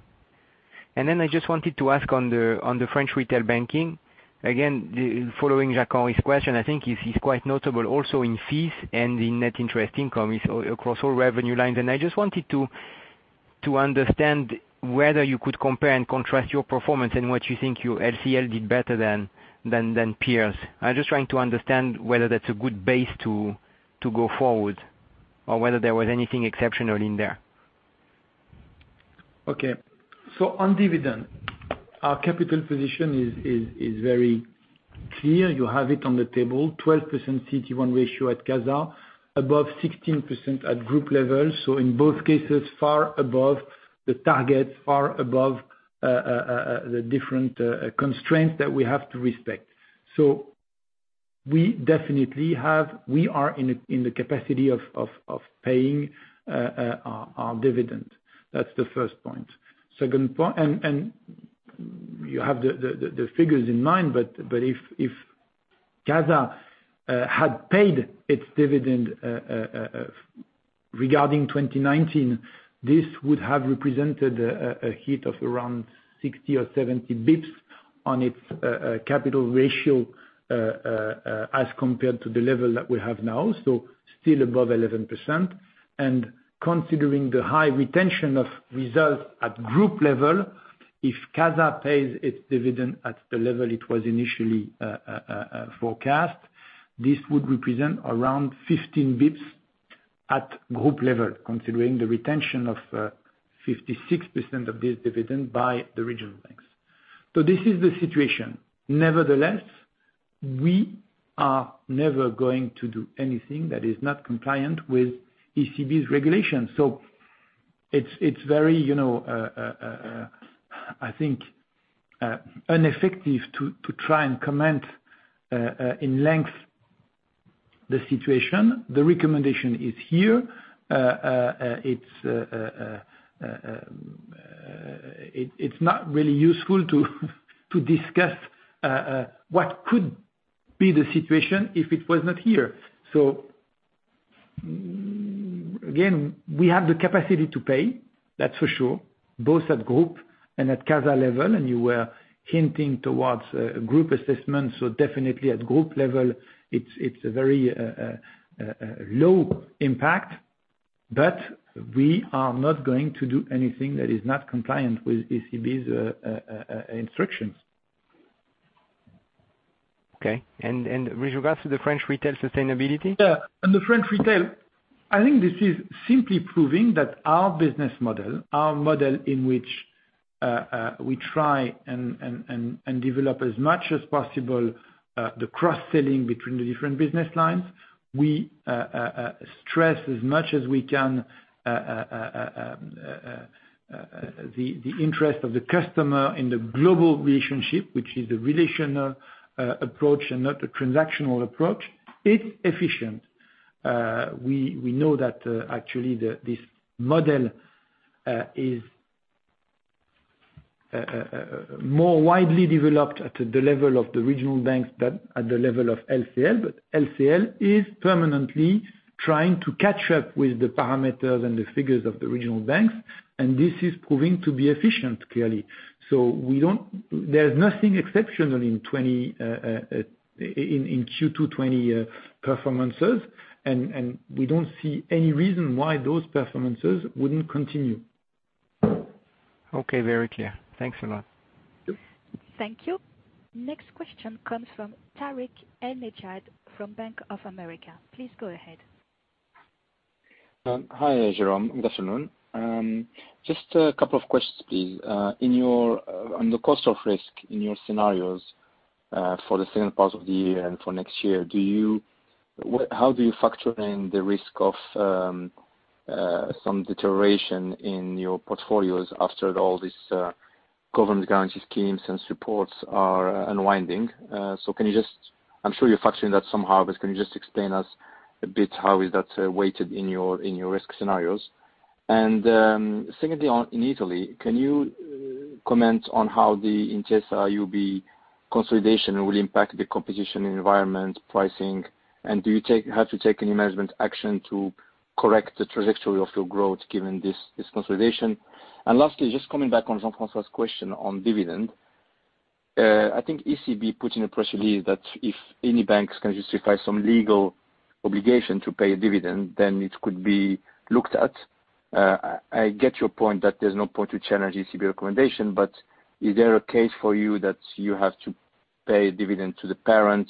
I just wanted to ask on the French retail banking, again, following Jaco's question, I think is quite notable also in fees and in net interest income across all revenue lines. I just wanted to understand whether you could compare and contrast your performance and what you think your LCL did better than peers. I'm just trying to understand whether that's a good base to go forward, or whether there was anything exceptional in there. Okay. On dividend, our capital position is very clear. You have it on the table, 12% CET1 ratio at CASA, above 16% at group level. In both cases, far above the target, far above the different constraints that we have to respect. We definitely are in the capacity of paying our dividend. That's the first point. Second point, and you have the figures in mind, but if CASA had paid its dividend regarding 2019, this would have represented a hit of around 60 or 70 basis points on its capital ratio as compared to the level that we have now, so still above 11%. Considering the high retention of results at group level, if CASA pays its dividend at the level it was initially forecast, this would represent around 15 basis points at group level, considering the retention of 56% of this dividend by the regional banks. This is the situation. Nevertheless, we are never going to do anything that is not compliant with ECB's regulations. It's very, I think, ineffective to try and comment in length the situation. The recommendation is here. It's not really useful to discuss what could be the situation if it was not here. Again, we have the capacity to pay, that's for sure, both at group and at CASA level. You were hinting towards a group assessment, so definitely at group level, it's a very low impact, but we are not going to do anything that is not compliant with ECB's instructions. Okay. With regards to the French retail sustainability? Yeah, on the French retail, I think this is simply proving that our business model, our model in which we try and develop as much as possible the cross-selling between the different business lines, we stress as much as we can the interest of the customer in the global relationship, which is a relational approach and not a transactional approach. It's efficient. We know that actually this model is more widely developed at the level of the regional banks than at the level of LCL, but LCL is permanently trying to catch up with the parameters and the figures of the regional banks, and this is proving to be efficient, clearly. There's nothing exceptional in Q2 2020 performances, and we don't see any reason why those performances wouldn't continue. Okay, very clear. Thanks a lot. Thank you. Thank you. Next question comes from Tarik El Mejjad from Bank of America. Please go ahead. Hi, Jérôme. Good afternoon. Just a couple of questions, please. On the cost of risk in your scenarios for the second part of the year and for next year, how do you factor in the risk of some deterioration in your portfolios after all these government guarantee schemes and supports are unwinding? I'm sure you're factoring that somehow, but can you just explain us a bit how is that weighted in your risk scenarios? Secondly, in Italy, can you comment on how the Intesa-UBI consolidation will impact the competition environment pricing, and do you have to take any management action to correct the trajectory of your growth, given this consolidation? Lastly, just coming back on Jean-Francois' question on dividend. I think ECB put in a press release that if any banks can justify some legal obligation to pay a dividend, then it could be looked at. I get your point that there's no point to challenge ECB recommendation, but is there a case for you that you have to pay a dividend to the parent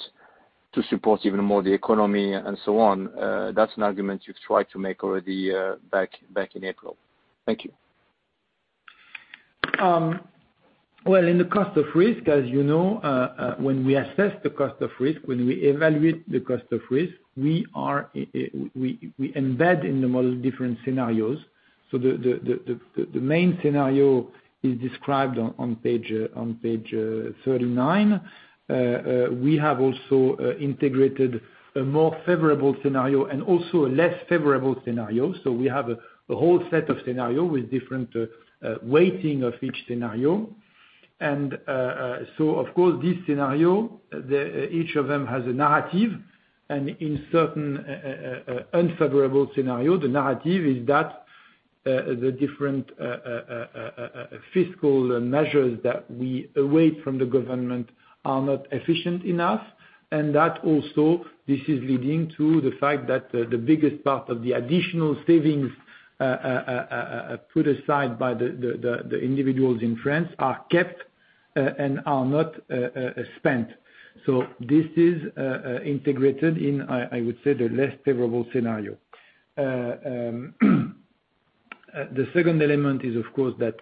to support even more the economy and so on? That's an argument you've tried to make already back in April. Thank you. In the cost of risk, as you know, when we assess the cost of risk, when we evaluate the cost of risk, we embed in the model different scenarios. The main scenario is described on page 39. We have also integrated a more favorable scenario and also a less favorable scenario. We have a whole set of scenario with different weighting of each scenario. Of course, this scenario, each of them has a narrative. In certain unfavorable scenario, the narrative is that the different fiscal measures that we await from the government are not efficient enough, and that also this is leading to the fact that the biggest part of the additional savings put aside by the individuals in France are kept, and are not spent. This is integrated in, I would say, the less favorable scenario. The second element is, of course, that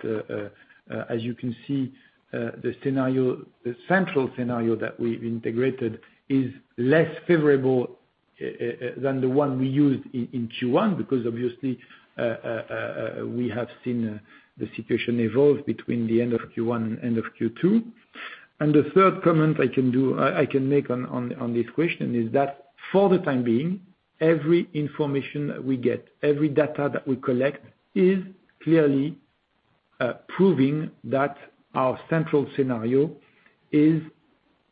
as you can see, the central scenario that we've integrated is less favorable than the one we used in Q1, because obviously, we have seen the situation evolve between the end of Q1 and end of Q2. The third comment I can make on this question is that for the time being, every information that we get, every data that we collect is clearly proving that our central scenario is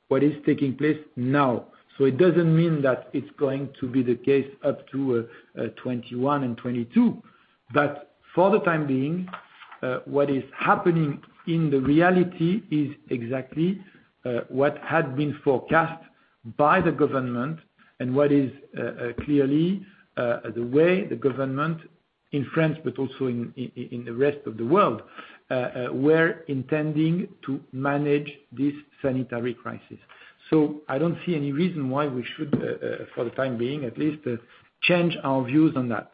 what is taking place now. It doesn't mean that it's going to be the case up to 2021 and 2022. For the time being, what is happening in the reality is exactly what had been forecast by the government and what is clearly the way the government in France, but also in the rest of the world, were intending to manage this sanitary crisis. I don't see any reason why we should, for the time being at least, change our views on that.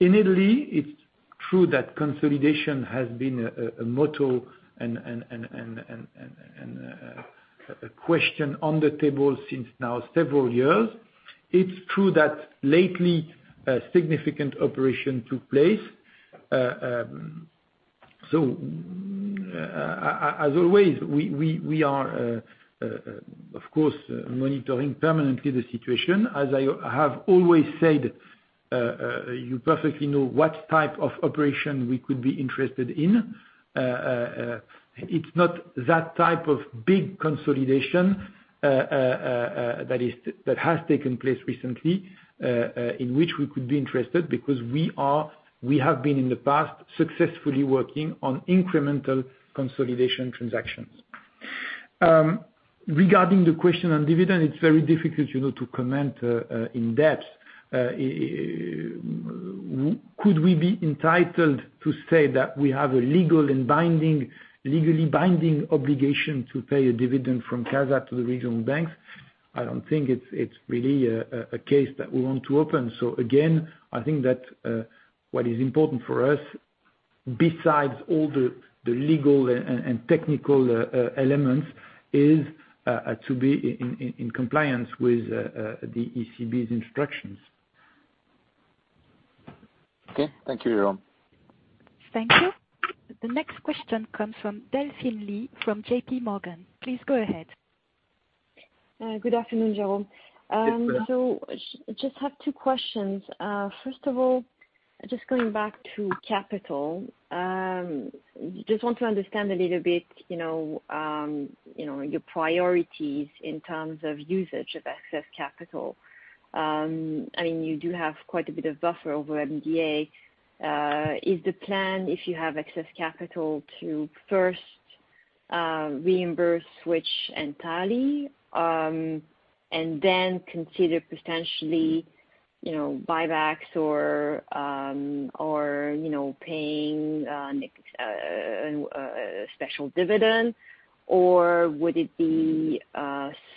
In Italy, it's true that consolidation has been a motto and a question on the table since now several years. It's true that lately, a significant operation took place. As always, we are of course, monitoring permanently the situation. As I have always said, you perfectly know what type of operation we could be interested in. It's not that type of big consolidation that has taken place recently, in which we could be interested because we have been in the past successfully working on incremental consolidation transactions. Regarding the question on dividend, it's very difficult to comment in depth. Could we be entitled to say that we have a legally binding obligation to pay a dividend from CASA to the regional banks? I don't think it's really a case that we want to open. Again, I think that what is important for us, besides all the legal and technical elements, is to be in compliance with the ECB's instructions. Okay. Thank you, Jérôme. Thank you. The next question comes from Delphine Lee from J.P. Morgan. Please go ahead. Good afternoon, Jérôme. Good afternoon. I just have two questions. First of all, going back to capital. I just want to understand a little bit your priorities in terms of usage of excess capital. You do have quite a bit of buffer over MDA. Is the plan if you have excess capital to first reimburse which entirely, and then consider potentially, buybacks or paying a special dividend, or would it be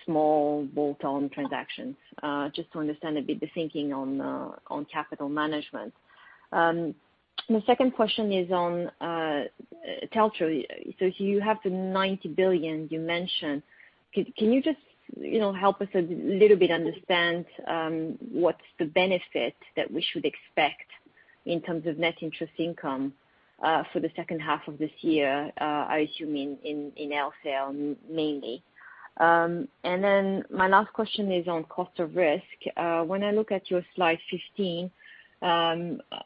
small bolt-on transactions? I just want to understand a bit the thinking on capital management. My second question is on TLTRO. You have the 90 billion you mentioned. Can you just help us a little bit understand what's the benefit that we should expect in terms of net interest income, for the second half of this year? I assume in LCL mainly. My last question is on cost of risk. When I look at your slide 15,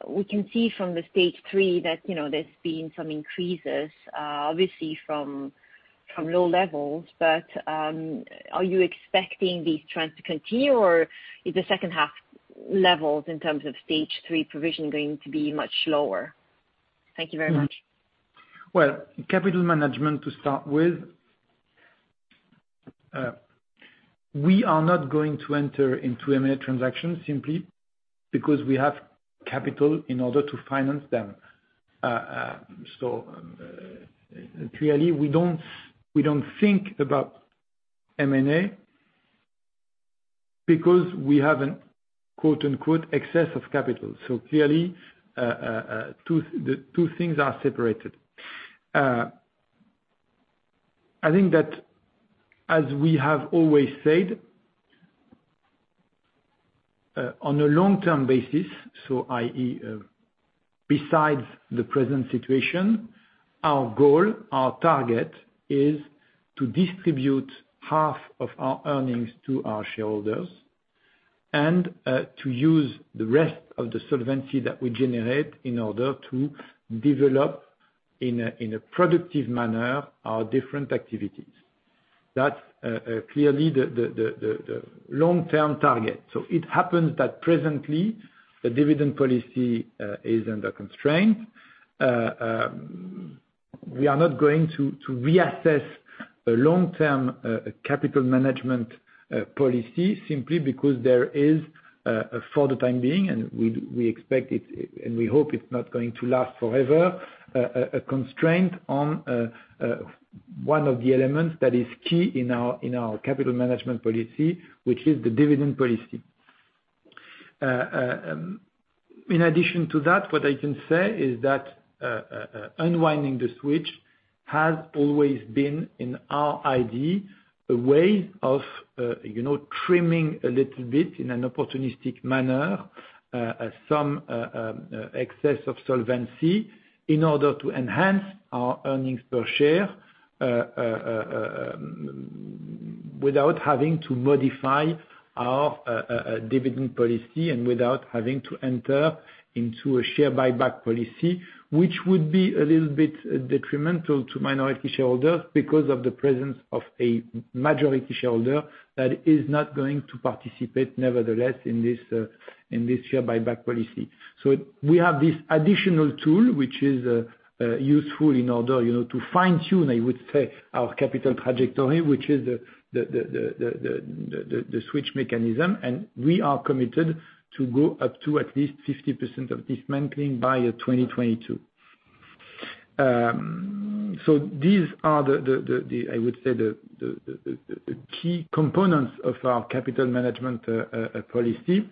we can see from the stage 3 that there's been some increases, obviously from low levels. Are you expecting these trends to continue, or is the second half levels in terms of stage 3 provision going to be much lower? Thank you very much. Well, capital management to start with. We are not going to enter into M&A transactions simply because we have capital in order to finance them. Clearly, we don't think about M&A, because we have an "excess of capital." Clearly, the two things are separated. I think that as we have always said, on a long-term basis, so i.e., besides the present situation, our goal, our target, is to distribute half of our earnings to our shareholders, and to use the rest of the solvency that we generate in order to develop, in a productive manner, our different activities. That's clearly the long-term target. It happens that presently, the dividend policy is under constraint. We are not going to reassess the long-term capital management policy, simply because there is, for the time being, and we hope it's not going to last forever, a constraint on one of the elements that is key in our capital management policy, which is the dividend policy. In addition to that, what I can say is that, unwinding the switch has always been, in our idea, a way of trimming a little bit in an opportunistic manner, some excess of solvency in order to enhance our earnings per share, without having to modify our dividend policy and without having to enter into a share buyback policy, which would be a little bit detrimental to minority shareholders because of the presence of a majority shareholder that is not going to participate nevertheless in this share buyback policy. We have this additional tool, which is useful in order to fine-tune, I would say, our capital trajectory, which is the switch mechanism, and we are committed to go up to at least 50% of dismantling by 2022. These are, I would say, the key components of our capital management policy.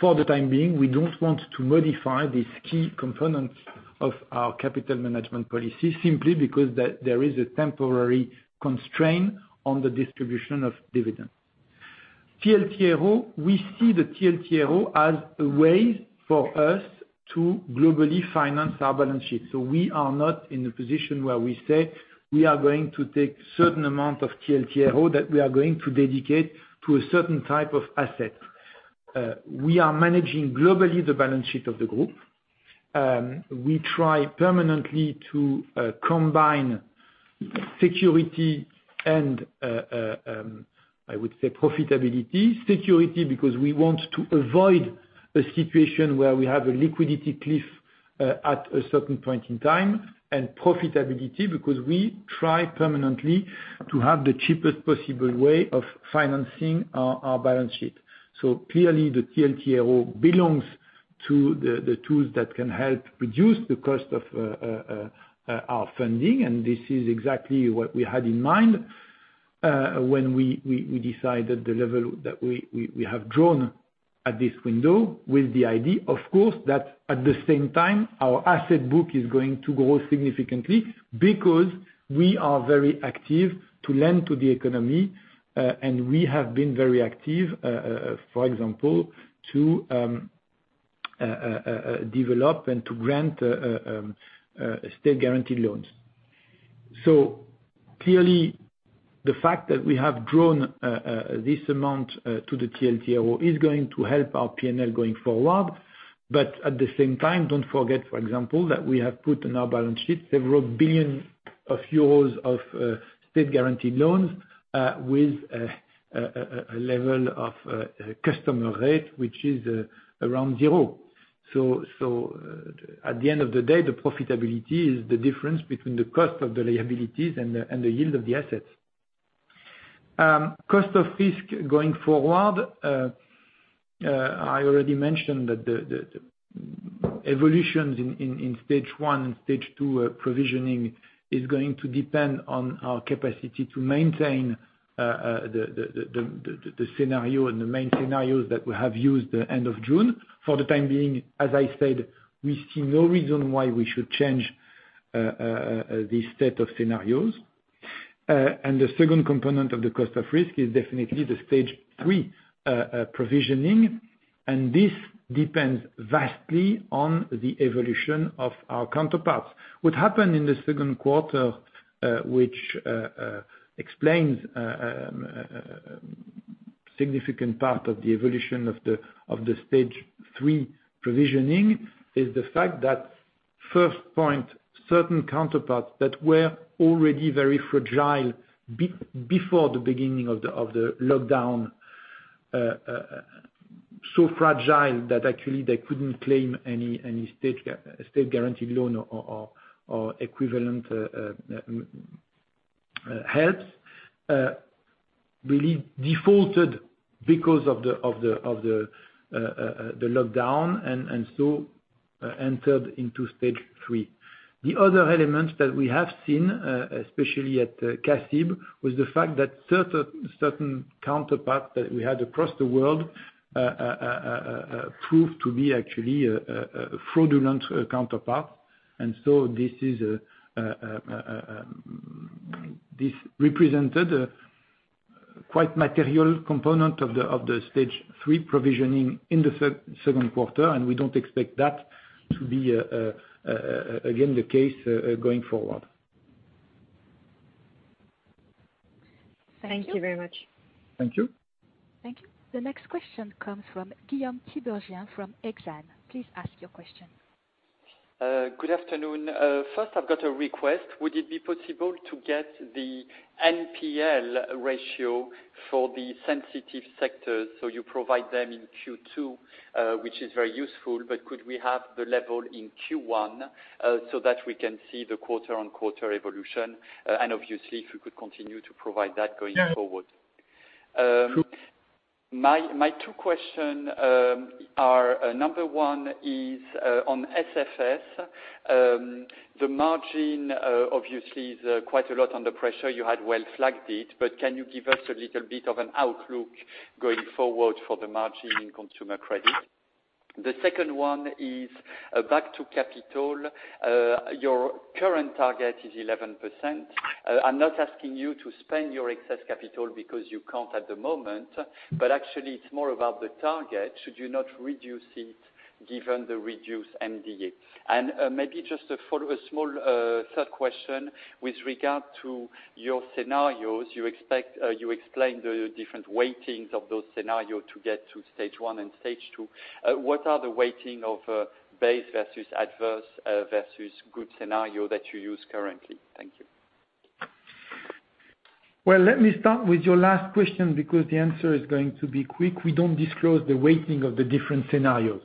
For the time being, we don't want to modify these key components of our capital management policy, simply because there is a temporary constraint on the distribution of dividends. TLTRO. We see the TLTRO as a way for us to globally finance our balance sheet. We are not in a position where we say, we are going to take certain amount of TLTRO that we are going to dedicate to a certain type of asset. We are managing globally the balance sheet of the group. We try permanently to combine security and, I would say profitability. Security because we want to avoid a situation where we have a liquidity cliff at a certain point in time. Profitability, because we try permanently to have the cheapest possible way of financing our balance sheet. Clearly the TLTRO belongs to the tools that can help reduce the cost of our funding, and this is exactly what we had in mind when we decided the level that we have drawn at this window with the idea, of course, that at the same time, our asset book is going to grow significantly because we are very active to lend to the economy. We have been very active, for example, to develop and to grant state-guaranteed loans. Clearly, the fact that we have grown this amount to the TLTRO is going to help our P&L going forward. At the same time, don't forget, for example, that we have put on our balance sheet several billion Euro of state-guaranteed loans, with a level of customer rate, which is around zero. At the end of the day, the profitability is the difference between the cost of the liabilities and the yield of the assets. Cost of risk going forward. I already mentioned that the evolutions in stage 1 and stage 2 provisioning is going to depend on our capacity to maintain the scenario and the main scenarios that we have used end of June. For the time being, as I said, we see no reason why we should change this set of scenarios. The second component of the cost of risk is definitely the stage 3 provisioning, and this depends vastly on the evolution of our counterparts. What happened in the second quarter, which explains a significant part of the evolution of the stage 3 provisioning, is the fact that-First point, certain counterparts that were already very fragile before the beginning of the lockdown, so fragile that actually they couldn't claim any state guaranteed loan or equivalent help, defaulted because of the lockdown, entered into stage 3. The other element that we have seen, especially at CIB, was the fact that certain counterparts that we had across the world proved to be actually a fraudulent counterpart. This represented a quite material component of the stage 3 provisioning in the second quarter, and we don't expect that to be again the case going forward. Thank you very much. Thank you. Thank you. The next question comes from Guillaume Tiberghien from Exane. Please ask your question. Good afternoon. First I've got a request. Would it be possible to get the NPL ratio for the sensitive sectors? You provide them in Q2, which is very useful, but could we have the level in Q1, so that we can see the quarter-on-quarter evolution? Obviously if we could continue to provide that going forward. My two question, number 1 is on SFS. The margin, obviously is quite a lot under pressure. You had well flagged it, but can you give us a little bit of an outlook going forward for the margin in consumer credit? The second one is back to capital. Your current target is 11%. I'm not asking you to spend your excess capital because you can't at the moment, but actually it's more about the target. Should you not reduce it given the reduced MDA? Maybe just to follow a small third question with regard to your scenarios, you explained the different weightings of those scenarios to get to stage 1 and stage 2. What are the weightings of base versus adverse versus group scenarios that you use currently? Thank you. Let me start with your last question because the answer is going to be quick. We don't disclose the weighting of the different scenarios.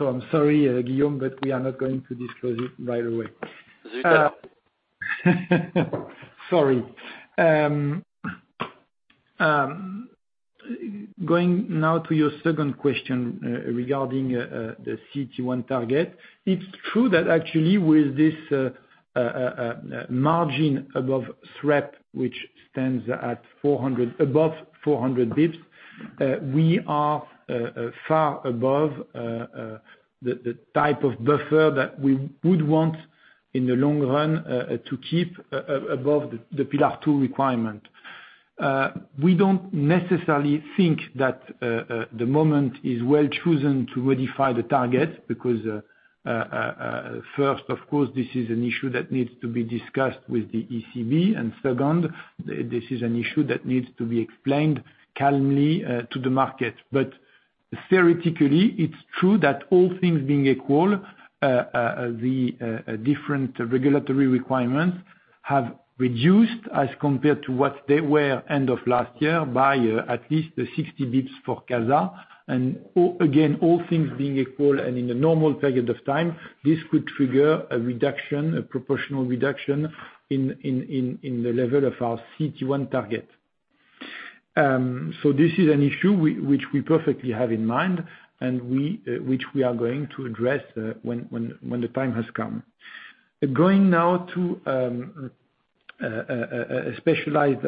I'm sorry, Guillaume, we are not going to disclose it right away. Sorry. Going now to your second question regarding the CET1 target. It's true that actually with this margin above SREP, which stands above 400 basis points, we are far above the type of buffer that we would want in the long run, to keep above the Pillar 2 requirement. We don't necessarily think that the moment is well chosen to modify the target because, first of course, this is an issue that needs to be discussed with the ECB, second, this is an issue that needs to be explained calmly to the market. Theoretically, it's true that all things being equal, the different regulatory requirements have reduced as compared to what they were end of last year by at least the 60 basis points for CASA, and again, all things being equal and in a normal period of time, this could trigger a proportional reduction in the level of our CET1 target. This is an issue which we perfectly have in mind and which we are going to address when the time has come. Going now to specialized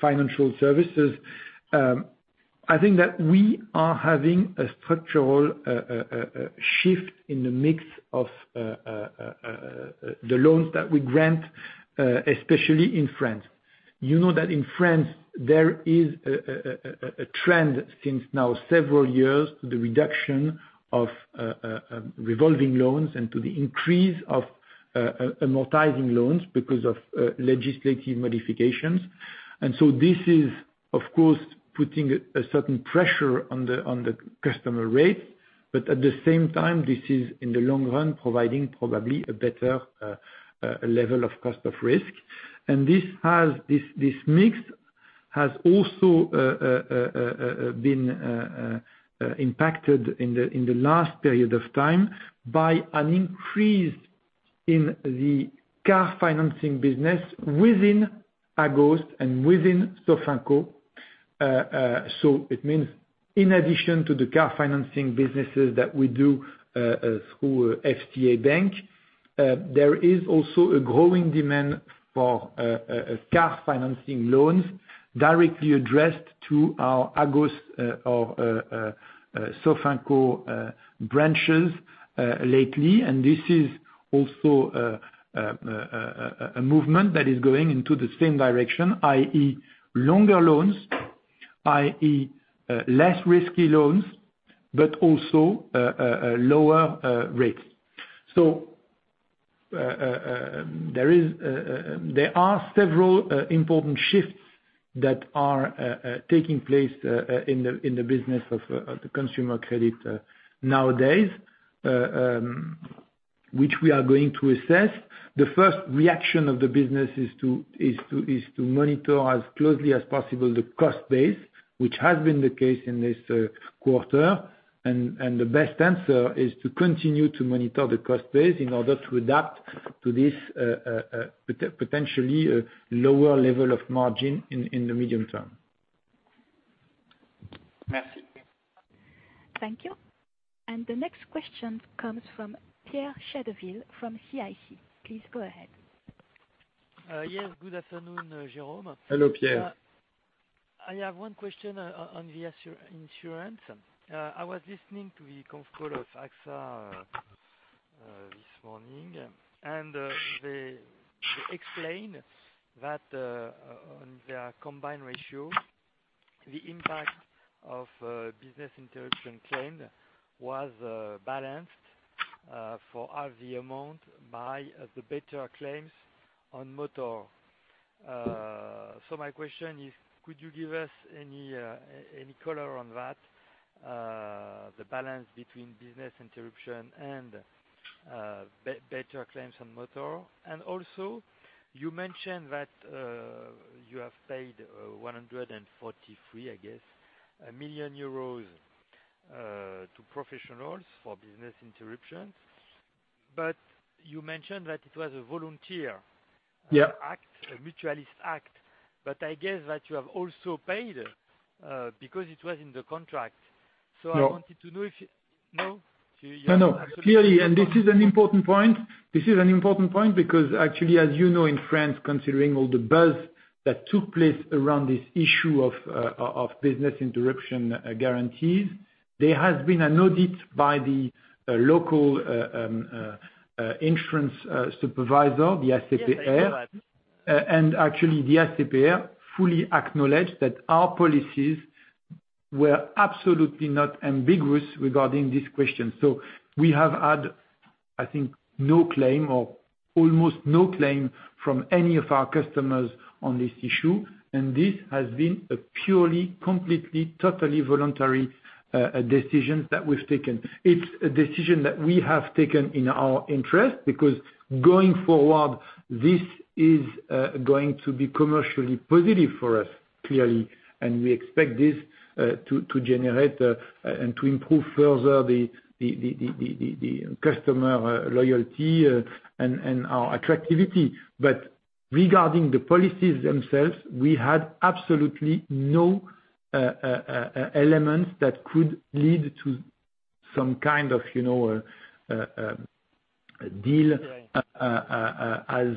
financial services, I think that we are having a structural shift in the mix of the loans that we grant, especially in France. You know that in France there is a trend since now several years to the reduction of revolving loans and to the increase of amortizing loans because of legislative modifications. This is of course putting a certain pressure on the customer rate, but at the same time, this is in the long run providing probably a better level of cost of risk. This mix has also been impacted in the last period of time by an increase in the car financing business within Agos and within Sofinco. It means in addition to the car financing businesses that we do through FCA Bank, there is also a growing demand for car financing loans directly addressed to our Agos or Sofinco branches lately, and this is also a movement that is going into the same direction, i.e., longer loans, i.e., less risky loans, but also lower rates. There are several important shifts that are taking place in the business of consumer credit nowadays, which we are going to assess. The first reaction of the business is to monitor as closely as possible the cost base, which has been the case in this quarter. The best answer is to continue to monitor the cost base in order to adapt to this potentially lower level of margin in the medium term. Thanks. Thank you. The next question comes from Pierre Chedeville from CIC. Please go ahead. Yes. Good afternoon, Jérôme. Hello, Pierre. I have one question on the insurance. I was listening to the conf call of AXA this morning, and they explained that on their combined ratio, the impact of business interruption claim was balanced for half the amount by the better claims on motor. My question is, could you give us any color on that, the balance between business interruption and better claims on motor? Also, you mentioned that you have paid 143 million euros to professionals for business interruption, but you mentioned that it was a volunteer- Yeah mutualist act, but I guess that you have also paid, because it was in the contract. No? No, clearly, this is an important point, because actually, as you know, in France, considering all the buzz that took place around this issue of business interruption guarantees, there has been an audit by the local insurance supervisor, the ACPR. Yes, I know that. Actually, the ACPR fully acknowledged that our policies were absolutely not ambiguous regarding this question. We have had, I think, no claim or almost no claim from any of our customers on this issue. This has been a purely, completely, totally voluntary decision that we've taken. It's a decision that we have taken in our interest, because going forward, this is going to be commercially positive for us, clearly, and we expect this to generate and to improve further the customer loyalty and our attractivity. Regarding the policies themselves, we had absolutely no elements that could lead to some kind of a deal as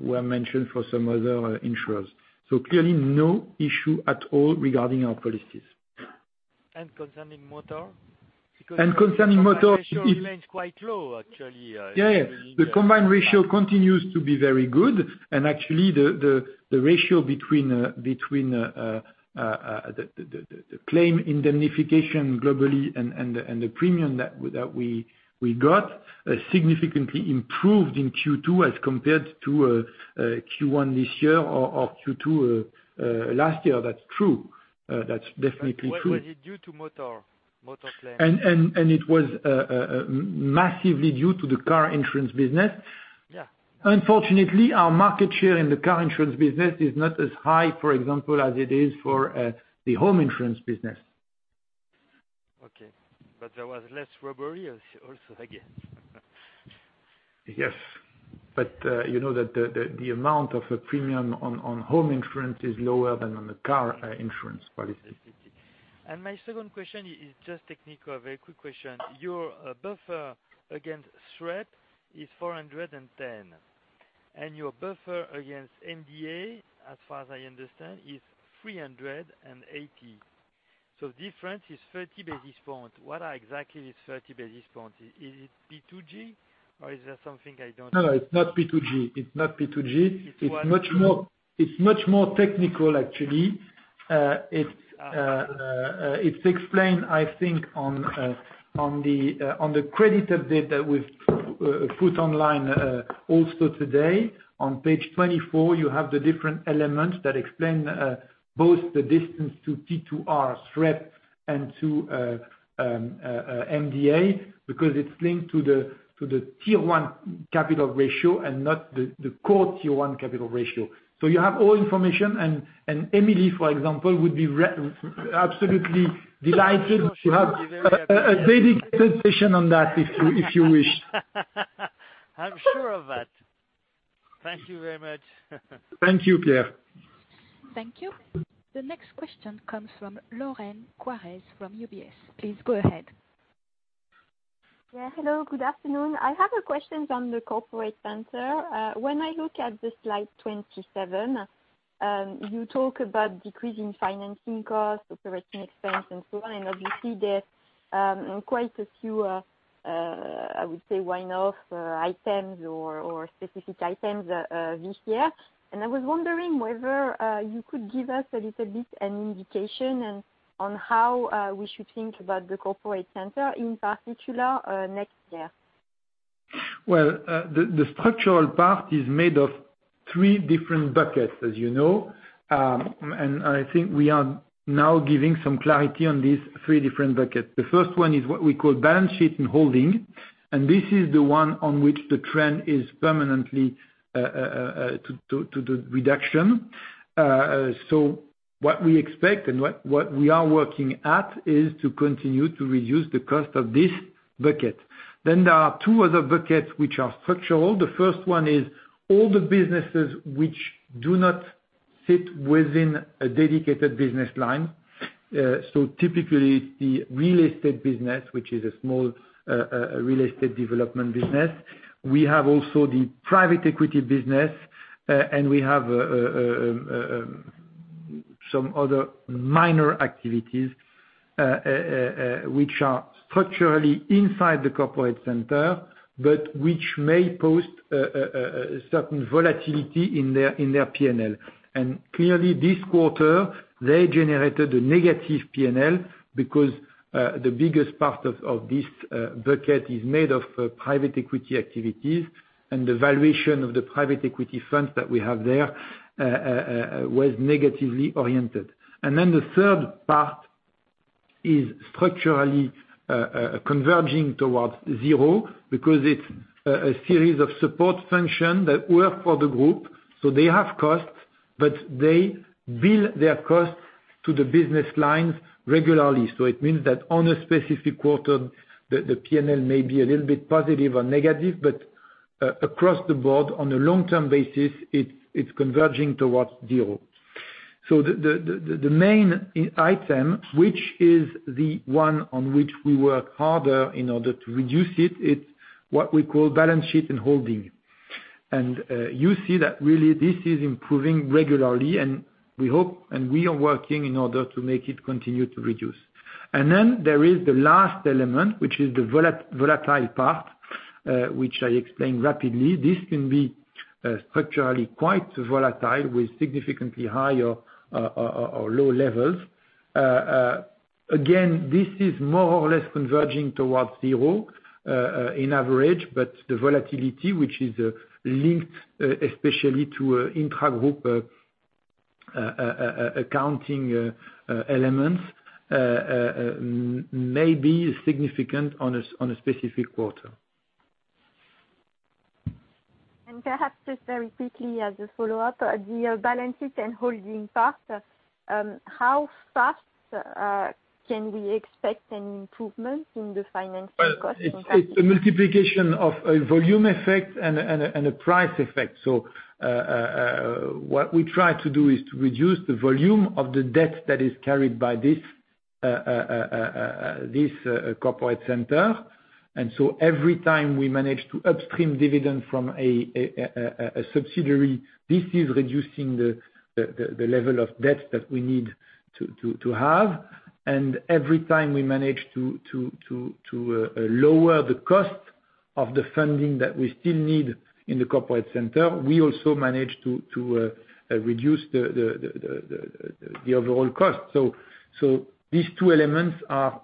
were mentioned for some other insurers. Clearly, no issue at all regarding our policies. Concerning motor? Concerning motor, Combined ratio remains quite low, actually. Yeah. The combined ratio continues to be very good. Actually, the ratio between the claim indemnification globally and the premium that we got significantly improved in Q2 as compared to Q1 this year or Q2 last year. That's true. That's definitely true. Was it due to motor claims? It was massively due to the car insurance business. Yeah. Unfortunately, our market share in the car insurance business is not as high, for example, as it is for the home insurance business. Okay. There was less robbery also, I guess. Yes. You know that the amount of a premium on home insurance is lower than on a car insurance policy. My second question is just technical, a very quick question. Your buffer against SREP is 410, your buffer against MDA, as far as I understand, is 380. Difference is 30 basis points. What are exactly these 30 basis points? Is it P2G or is there something I don't know? It's not P2G. It's much more technical, actually. It's explained, I think, on the credit update that we've put online also today. On page 24, you have the different elements that explain both the distance to P2R, SREP, and to MDA, because it's linked to the Tier 1 capital ratio and not the core Tier 1 capital ratio. You have all information, and Emily, for example, would be absolutely delighted to have a dedicated session on that, if you wish. I'm sure of that. Thank you very much. Thank you, Pierre. Thank you. The next question comes from Flora Bocahut from UBS. Please go ahead. Yeah, hello, good afternoon. I have a question on the corporate center. When I look at the slide 27, you talk about decreasing financing costs, operating expense, and so on, obviously there's quite a few, I would say, one-off items or specific items this year. I was wondering whether you could give us a little bit an indication on how we should think about the corporate center, in particular next year. Well, the structural part is made of three different buckets, as you know. I think we are now giving some clarity on these three different buckets. The first one is what we call balance sheet and holding, and this is the one on which the trend is permanently to the reduction. What we expect and what we are working at is to continue to reduce the cost of this bucket. There are two other buckets which are structural. The first one is all the businesses which do not fit within a dedicated business line. Typically, the real estate business, which is a small real estate development business. We have also the private equity business, and we have some other minor activities, which are structurally inside the corporate center, but which may pose a certain volatility in their P&L. Clearly this quarter, they generated a negative P&L because the biggest part of this bucket is made of private equity activities. The valuation of the private equity funds that we have there was negatively oriented. Then the third part is structurally converging towards zero, because it's a series of support function that work for the group. They have costs, but they bill their costs to the business lines regularly. It means that on a specific quarter, the P&L may be a little bit positive or negative, but, across the board, on a long-term basis, it's converging towards zero. The main item, which is the one on which we work harder in order to reduce it's what we call balance sheet and holding. You see that really this is improving regularly, and we hope, and we are working in order to make it continue to reduce. Then there is the last element, which is the volatile part, which I explain rapidly. This can be structurally quite volatile with significantly higher or low levels. Again, this is more or less converging towards zero in average, but the volatility, which is linked especially to intragroup accounting elements may be significant on a specific quarter. Perhaps just very quickly as a follow-up, the balance sheet and holding part, how fast can we expect an improvement in the financing cost impact? Well, it's a multiplication of a volume effect and a price effect. What we try to do is to reduce the volume of the debt that is carried by this corporate center. Every time we manage to upstream dividend from a subsidiary, this is reducing the level of debt that we need to have. Every time we manage to lower the cost of the funding that we still need in the corporate center, we also manage to reduce the overall cost. These two elements are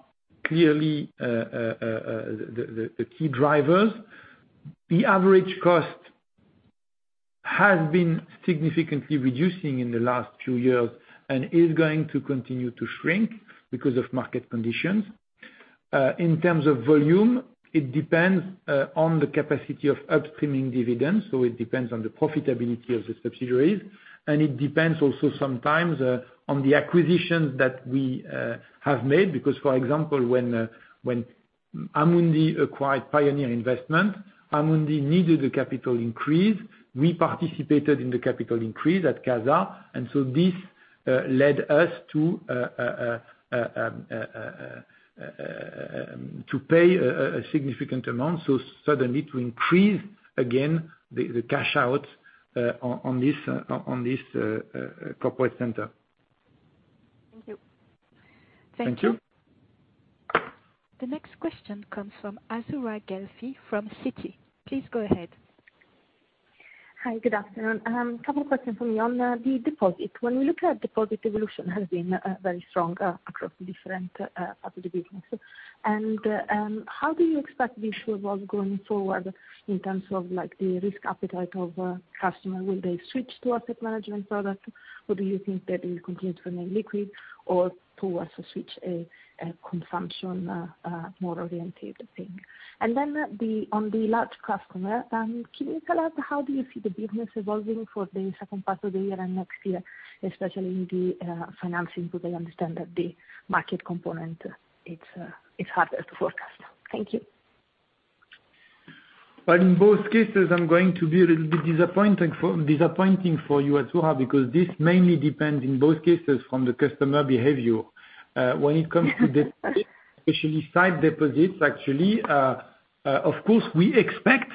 clearly the key drivers. The average cost has been significantly reducing in the last few years and is going to continue to shrink because of market conditions. In terms of volume, it depends on the capacity of upstreaming dividends, so it depends on the profitability of the subsidiaries, and it depends also sometimes, on the acquisitions that we have made. For example, when Amundi acquired Pioneer Investments, Amundi needed a capital increase. We participated in the capital increase at CASA, and so this led us to pay a significant amount so suddenly to increase again the cash out on this corporate center. Thank you. Thank you. The next question comes from Azzurra Guelfi from Citi. Please go ahead. Hi, good afternoon. Couple of questions from me on the deposit. When we look at deposit evolution has been very strong across different parts of the business. How do you expect the issue of going forward in terms of the risk appetite of a customer? Will they switch to asset management product, or do you think they will continue to remain liquid or towards a switch, a consumption, more oriented thing? On the LCL, can you tell us how do you see the business evolving for the second part of the year and next year, especially in the financing, because I understand that the market component it's harder to forecast. Thank you. Well, in both cases, I'm going to be a little bit disappointing for you, Azzurra, because this mainly depends in both cases from the customer behavior. When it comes to especially side deposits, actually, of course, we expect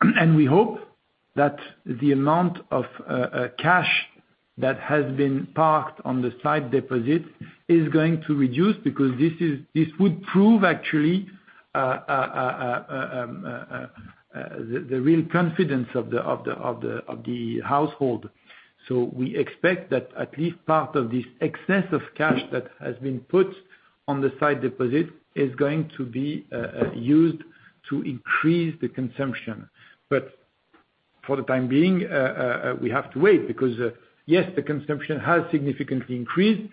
and we hope that the amount of cash that has been parked on the side deposits is going to reduce because this would prove actually, the real confidence of the household. We expect that at least part of this excess of cash that has been put on the side deposit is going to be used to increase the consumption. For the time being, we have to wait, because yes, the consumption has significantly increased,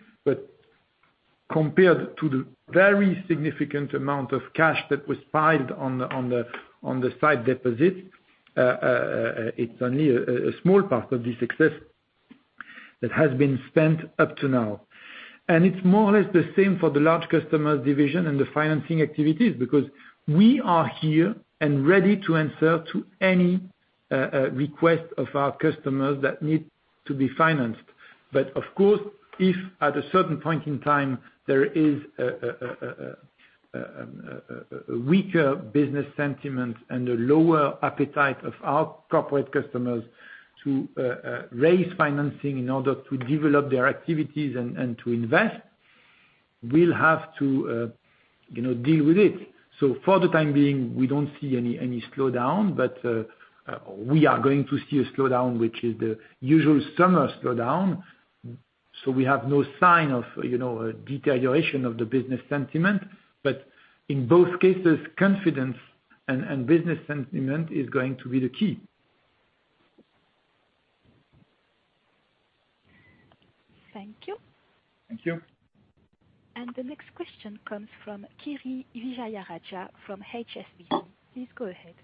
but compared to the very significant amount of cash that was piled on the side deposit, it's only a small part of the success that has been spent up to now. It's more or less the same for the large customers division and the financing activities because we are here and ready to answer to any request of our customers that need to be financed. Of course, if at a certain point in time there is a weaker business sentiment and a lower appetite of our corporate customers to raise financing in order to develop their activities and to invest, we'll have to deal with it. For the time being, we don't see any slowdown, but we are going to see a slowdown, which is the usual summer slowdown. We have no sign of a deterioration of the business sentiment, but in both cases, confidence and business sentiment is going to be the key. Thank you. Thank you. The next question comes from Kiri Vijayarajah from HSBC. Please go ahead.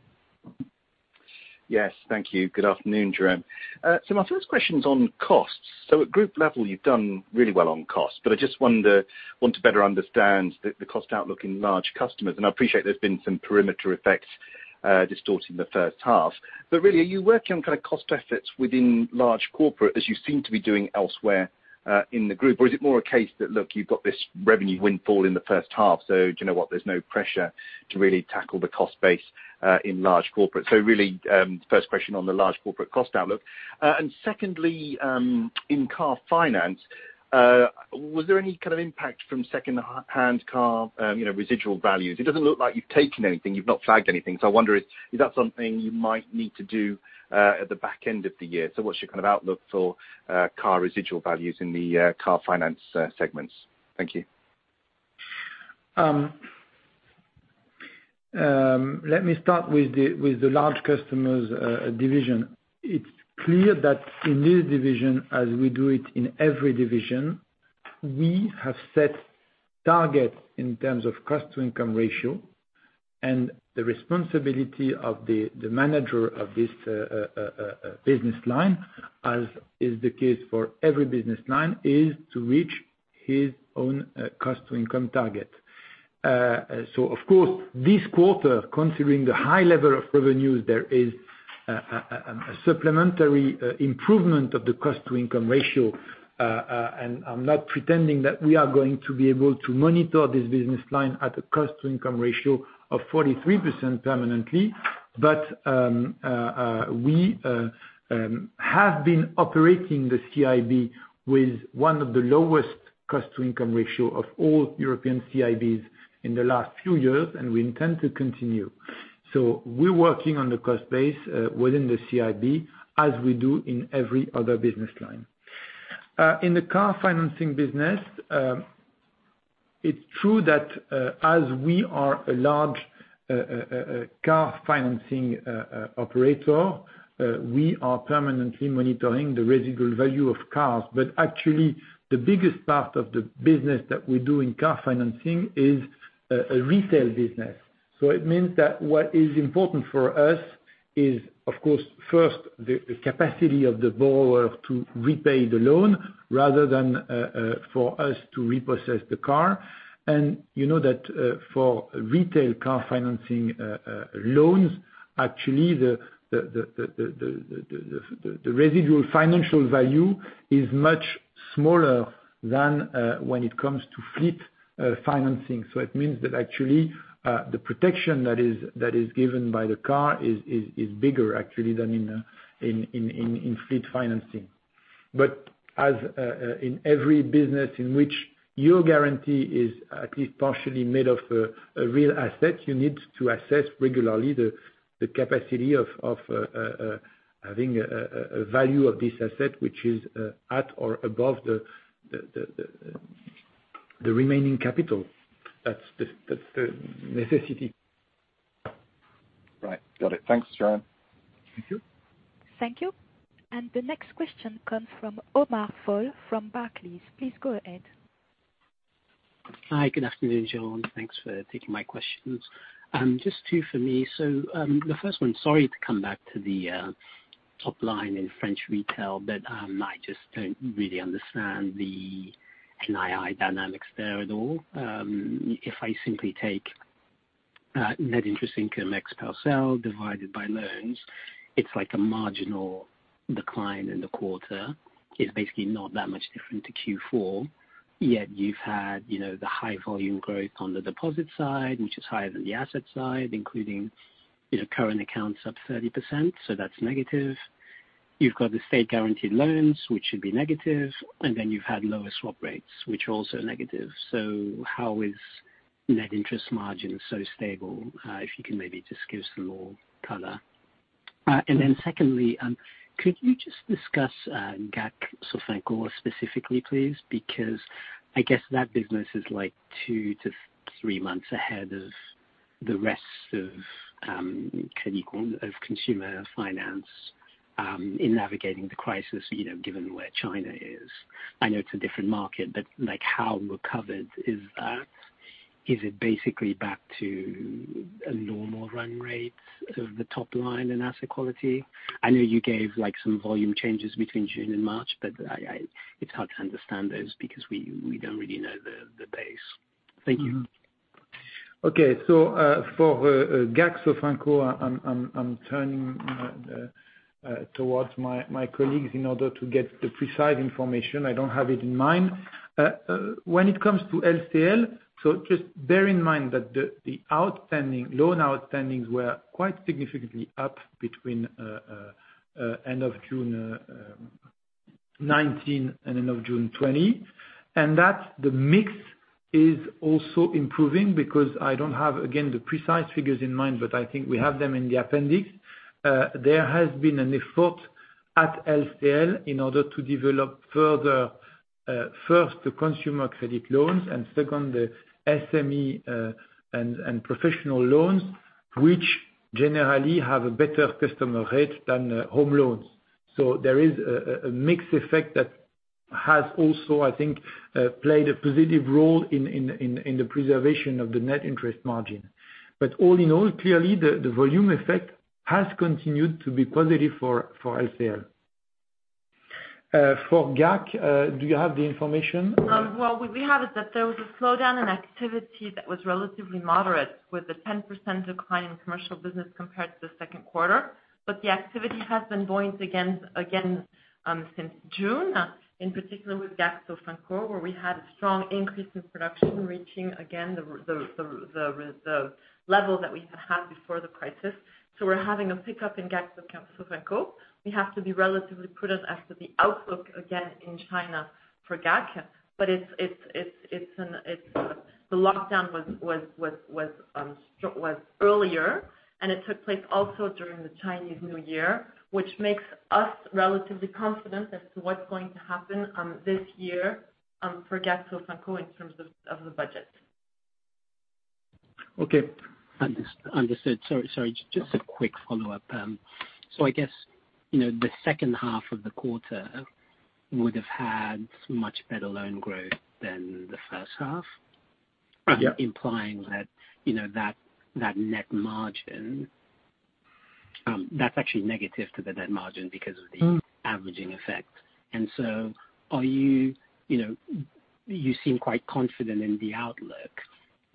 Yes. Thank you. Good afternoon, Jérôme. My first question's on costs. At group level, you've done really well on costs. I just want to better understand the cost outlook in large customers. I appreciate there's been some perimeter effects distorting the first half. Really, are you working on kind of cost efforts within large corporate as you seem to be doing elsewhere in the group? Is it more a case that, look, you've got this revenue windfall in the first half, do you know what? There's no pressure to really tackle the cost base in large corporate. Really, first question on the large corporate cost outlook. Secondly, in car finance, was there any kind of impact from second-hand car residual values? It doesn't look like you've taken anything. You've not flagged anything. I wonder, is that something you might need to do at the back end of the year? What's your kind of outlook for car residual values in the car finance segments? Thank you. Let me start with the large customers division. It's clear that in this division, as we do it in every division, we have set targets in terms of cost to income ratio, and the responsibility of the manager of this business line, as is the case for every business line, is to reach his own cost to income target. Of course, this quarter, considering the high level of revenues, there is a supplementary improvement of the cost to income ratio. I'm not pretending that we are going to be able to monitor this business line at a cost to income ratio of 43% permanently. We have been operating the CIB with one of the lowest cost to income ratio of all European CIBs in the last few years, and we intend to continue. We're working on the cost base within the CIB as we do in every other business line. In the car financing business, it's true that, as we are a large car financing operator, we are permanently monitoring the residual value of cars. Actually, the biggest part of the business that we do in car financing is a retail business. It means that what is important for us is, of course, first, the capacity of the borrower to repay the loan rather than for us to repossess the car. You know that, for retail car financing loans, actually, the residual financial value is much smaller than when it comes to fleet financing. It means that actually, the protection that is given by the car is bigger actually than in fleet financing. As in every business in which your guarantee is at least partially made of a real asset, you need to assess regularly the capacity of having a value of this asset which is at or above the remaining capital. That's the necessity. Right. Got it. Thanks, Jérôme. Thank you. Thank you. The next question comes from Omar Fall from Barclays. Please go ahead. Hi. Good afternoon, Jérôme. Thanks for taking my questions. Just two for me. The first one, sorry to come back to the top line in French retail, I just don't really understand the NII dynamics there at all. If I simply take net interest income ex-PELTRO divided by loans, it's like a marginal decline in the quarter. It's basically not that much different to Q4, you've had the high volume growth on the deposit side, which is higher than the asset side, including current accounts up 30%, that's negative. You've got the state-guaranteed loans, which should be negative, you've had lower swap rates, which are also negative. How is net interest margin so stable? If you can maybe just give some more color. Secondly, could you just discuss GAC Sofinco specifically, please? Because I guess that business is two to three months ahead of the rest of Crédit Agricole Consumer Finance, in navigating the crisis, given where China is. I know it's a different market, but how recovered is that? Is it basically back to a normal run rate of the top line in asset quality? I know you gave some volume changes between June and March, but it's hard to understand those, because we don't really know the pace. Thank you. Okay. For GAC Sofinco, I'm turning towards my colleagues in order to get the precise information. I don't have it in mind. When it comes to LCL, just bear in mind that the loan outstandings were quite significantly up between end of June 2019 and end of June 2020. That the mix is also improving because I don't have, again, the precise figures in mind, but I think we have them in the appendix. There has been an effort at LCL in order to develop further, first, the consumer credit loans, and second, the SME and professional loans, which generally have a better customer rate than home loans. There is a mixed effect that has also, I think, played a positive role in the preservation of the net interest margin. All in all, clearly, the volume effect has continued to be positive for LCL. For GAC, do you have the information? Well, what we have is that there was a slowdown in activity that was relatively moderate, with a 10% decline in commercial business compared to the second quarter. The activity has been going again since June, in particular with GAC Sofinco, where we had a strong increase in production reaching again, the level that we had before the crisis. We're having a pickup in GAC Sofinco. We have to be relatively prudent as to the outlook again in China for GAC. The lockdown was earlier, and it took place also during the Chinese New Year, which makes us relatively confident as to what's going to happen this year for GAC Sofinco in terms of the budget. Okay. Understood. Sorry, just a quick follow-up. I guess, the second half of the quarter would've had much better loan growth than the first half? Yeah. Implying that net margin, that's actually negative to the net margin because of the averaging effect. You seem quite confident in the outlook.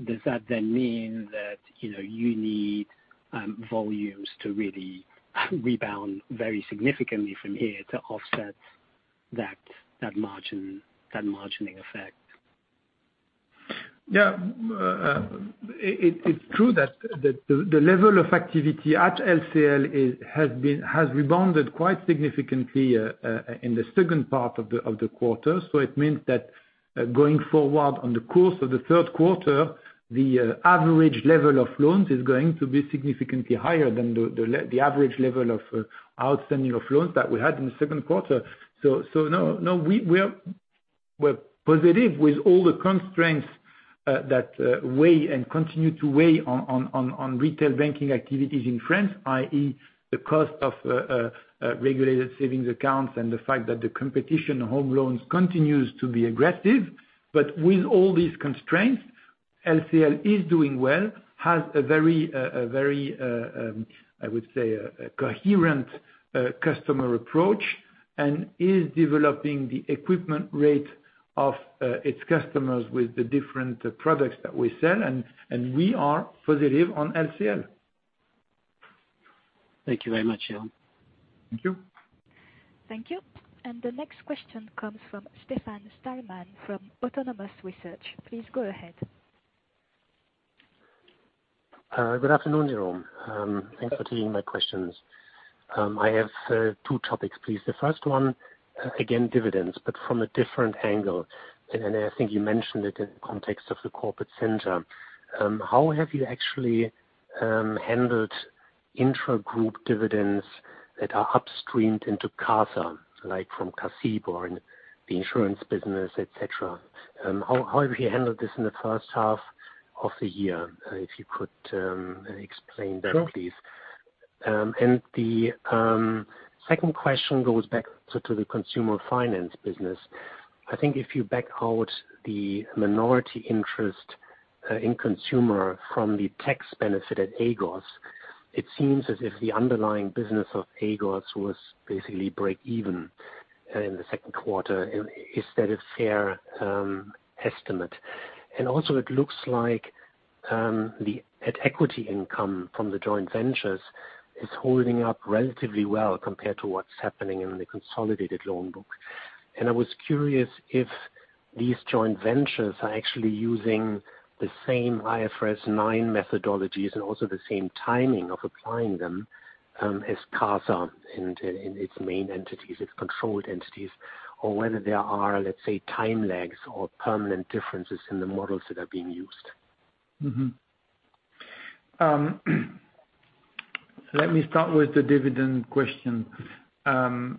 Does that then mean that you need volumes to really rebound very significantly from here to offset that margining effect? Yeah. It's true that the level of activity at LCL has rebounded quite significantly in the second part of the quarter. It means that going forward on the course of the third quarter, the average level of loans is going to be significantly higher than the average level of outstanding of loans that we had in the second quarter. No, we're positive with all the constraints that weigh and continue to weigh on retail banking activities in France, i.e., the cost of regulated savings accounts and the fact that the competition of home loans continues to be aggressive. With all these constraints, LCL is doing well, has a very, I would say, a coherent customer approach and is developing the equipment rate of its customers with the different products that we sell, and we are positive on LCL. Thank you very much, Jérôme. Thank you. Thank you. The next question comes from Stefan Stalmann from Autonomous Research. Please go ahead. Good afternoon, Jérôme. Thanks for taking my questions. I have two topics, please. The first one, again, dividends, but from a different angle, and I think you mentioned it in the context of the corporate center. How have you actually handled intra-group dividends that are upstreamed into CACEIS, like from Cardif or the insurance business, et cetera? How have you handled this in the first half of the year, if you could explain that, please? Sure. The second question goes back to the consumer finance business. I think if you back out the minority interest in consumer from the tax benefit at Agos, it seems as if the underlying business of Agos was basically break even in the second quarter. Is that a fair estimate? Also, it looks like the net equity income from the joint ventures is holding up relatively well compared to what's happening in the consolidated loan book. I was curious if these joint ventures are actually using the same IFRS 9 methodologies and also the same timing of applying them as CACEIS in its main entities, its controlled entities, or whether there are, let's say, time lags or permanent differences in the models that are being used. Let me start with the dividend question. The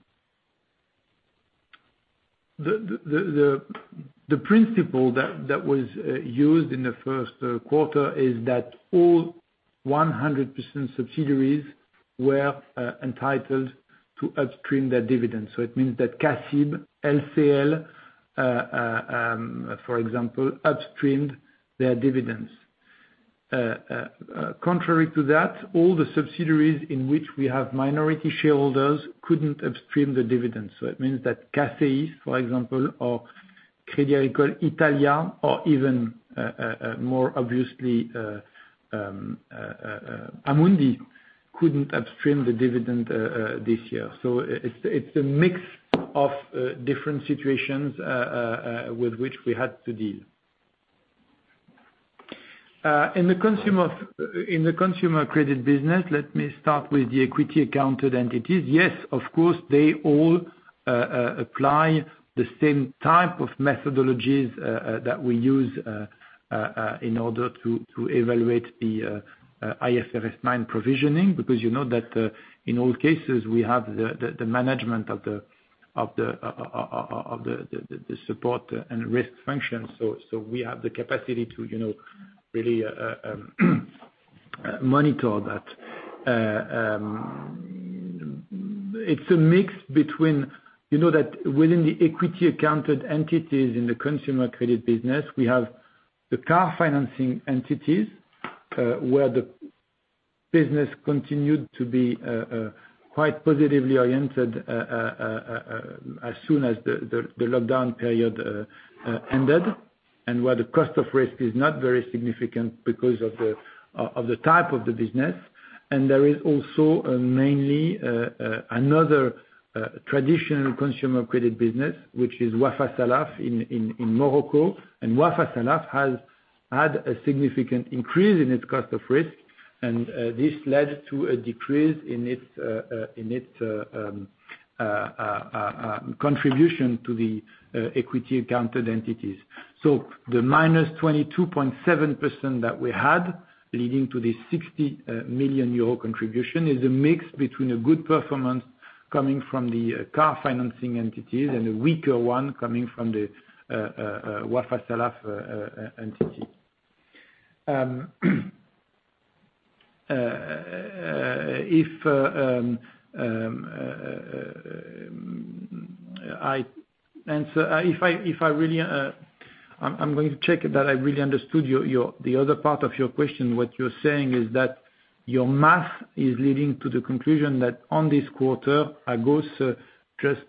principle that was used in the first quarter is that all 100% subsidiaries were entitled to upstream their dividends. It means that CACIB, LCL, for example, upstreamed their dividends. Contrary to that, all the subsidiaries in which we have minority shareholders couldn't upstream the dividends. It means that CACEIS, for example, or Crédit Agricole Italia or even more obviously, Amundi, couldn't upstream the dividend this year. It's a mix of different situations with which we had to deal. In the consumer credit business, let me start with the equity accounted entities. Yes, of course, they all apply the same type of methodologies that we use in order to evaluate the IFRS 9 provisioning, because you know that in all cases, we have the management of the support and risk function. We have the capacity to really monitor that. Within the equity accounted entities in the consumer credit business, we have the car financing entities, where the business continued to be quite positively oriented as soon as the lockdown period ended, and where the cost of risk is not very significant because of the type of the business. There is also mainly another traditional consumer credit business, which is Wafasalaf in Morocco. Wafasalaf had a significant increase in its cost of risk, and this led to a decrease in its contribution to the equity accounted entities. The -22.7% that we had leading to the 60 million euro contribution is a mix between a good performance coming from the car financing entities and a weaker one coming from the Wafasalaf entity. I'm going to check that I really understood the other part of your question. What you're saying is that your math is leading to the conclusion that on this quarter, Agos just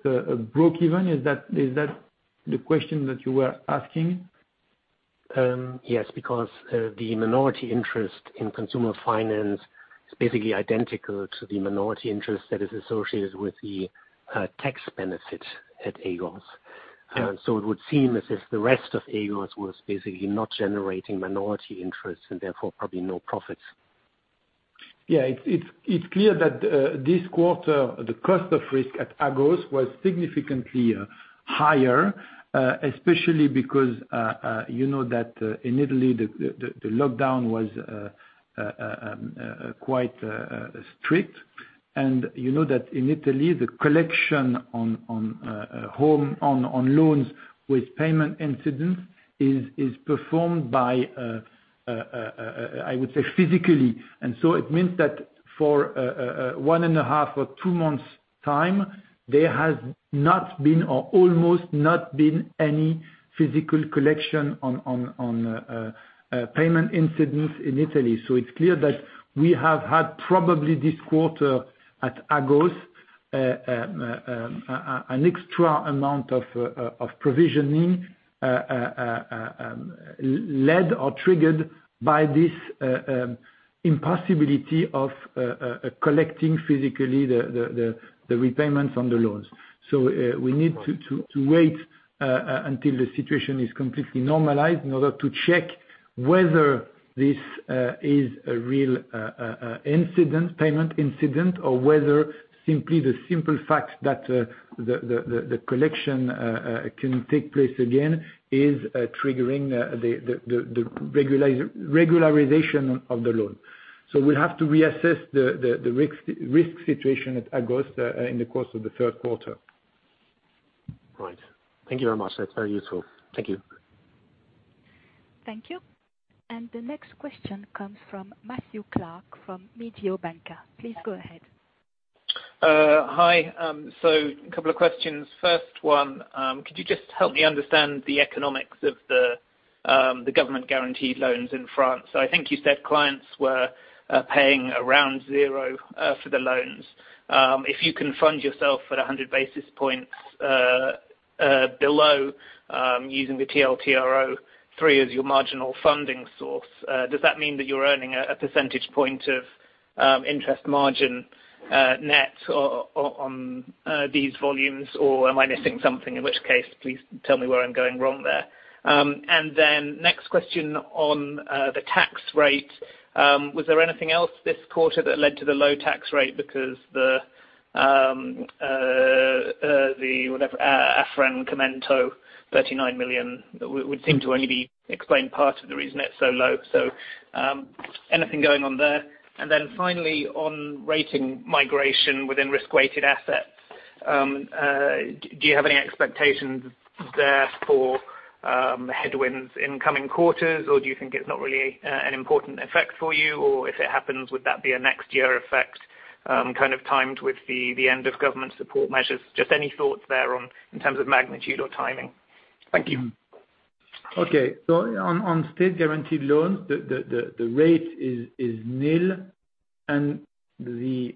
broke even. Is that the question that you were asking? Yes, because the minority interest in consumer finance is basically identical to the minority interest that is associated with the tax benefit at Agos. Yeah. It would seem as if the rest of Agos was basically not generating minority interest and therefore probably no profits. Yeah. It's clear that this quarter, the cost of risk at Agos was significantly higher, especially because you know that in Italy, the lockdown was quite strict. You know that in Italy, the collection on loans with payment incidents is performed by, I would say physically. It means that for one and a half or two months' time, there has not been, or almost not been any physical collection on payment incidents in Italy. It's clear that we have had probably this quarter at Agos, an extra amount of provisioning led or triggered by this impossibility of collecting physically the repayments on the loans. We need to wait until the situation is completely normalized in order to check whether this is a real payment incident or whether simply the simple fact that the collection can take place again is triggering the regularization of the loan. We'll have to reassess the risk situation at Agos in the course of the third quarter. Right. Thank you very much. That's very useful. Thank you. Thank you. The next question comes from Matthew Clark from Mediobanca. Please go ahead. Hi. A couple of questions. First one, could you just help me understand the economics of the government-guaranteed loans in France? I think you said clients were paying around zero for the loans. If you can fund yourself at 100 basis points, Below, using the TLTRO3 as your marginal funding source. Does that mean that you're earning a percentage point of interest margin net on these volumes? Or am I missing something? In which case, please tell me where I'm going wrong there. Next question on the tax rate. Was there anything else this quarter that led to the low tax rate because the affrancamento, 39 million, would seem to only explain part of the reason it's so low. Anything going on there? Finally on rating migration within risk-weighted assets, do you have any expectations there for headwinds in coming quarters? Do you think it's not really an important effect for you? If it happens, would that be a next year effect kind of timed with the end of government support measures? Just any thoughts there in terms of magnitude or timing? Thank you. Okay. On state-guaranteed loans, the rate is nil, and the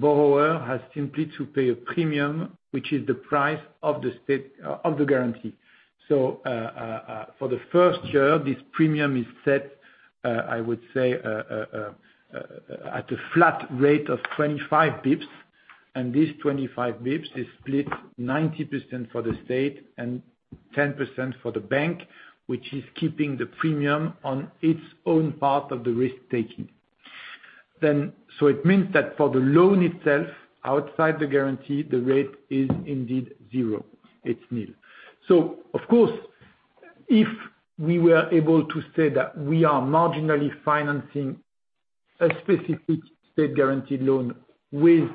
borrower has simply to pay a premium, which is the price of the guarantee. For the first year, this premium is set, I would say, at a flat rate of 25 bps. This 25 bps is split 90% for the state and 10% for the bank, which is keeping the premium on its own part of the risk-taking. It means that for the loan itself, outside the guarantee, the rate is indeed zero. It's nil. Of course, if we were able to say that we are marginally financing a specific state-guaranteed loan with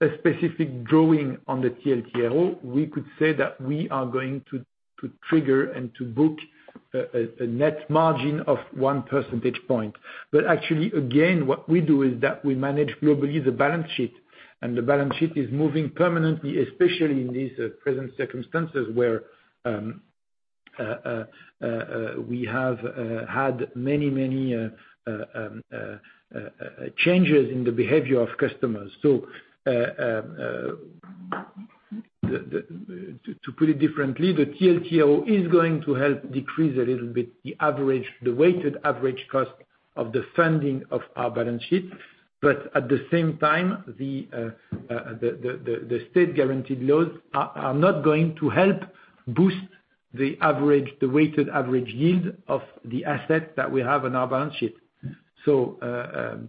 a specific drawing on the TLTRO, we could say that we are going to trigger and to book a net margin of one percentage point. Actually, again, what we do is that we manage globally the balance sheet, and the balance sheet is moving permanently, especially in these present circumstances, where we have had many changes in the behavior of customers. To put it differently, the TLTRO is going to help decrease a little bit the weighted average cost of the funding of our balance sheet. At the same time, the state-guaranteed loans are not going to help boost the weighted average yield of the asset that we have on our balance sheet. The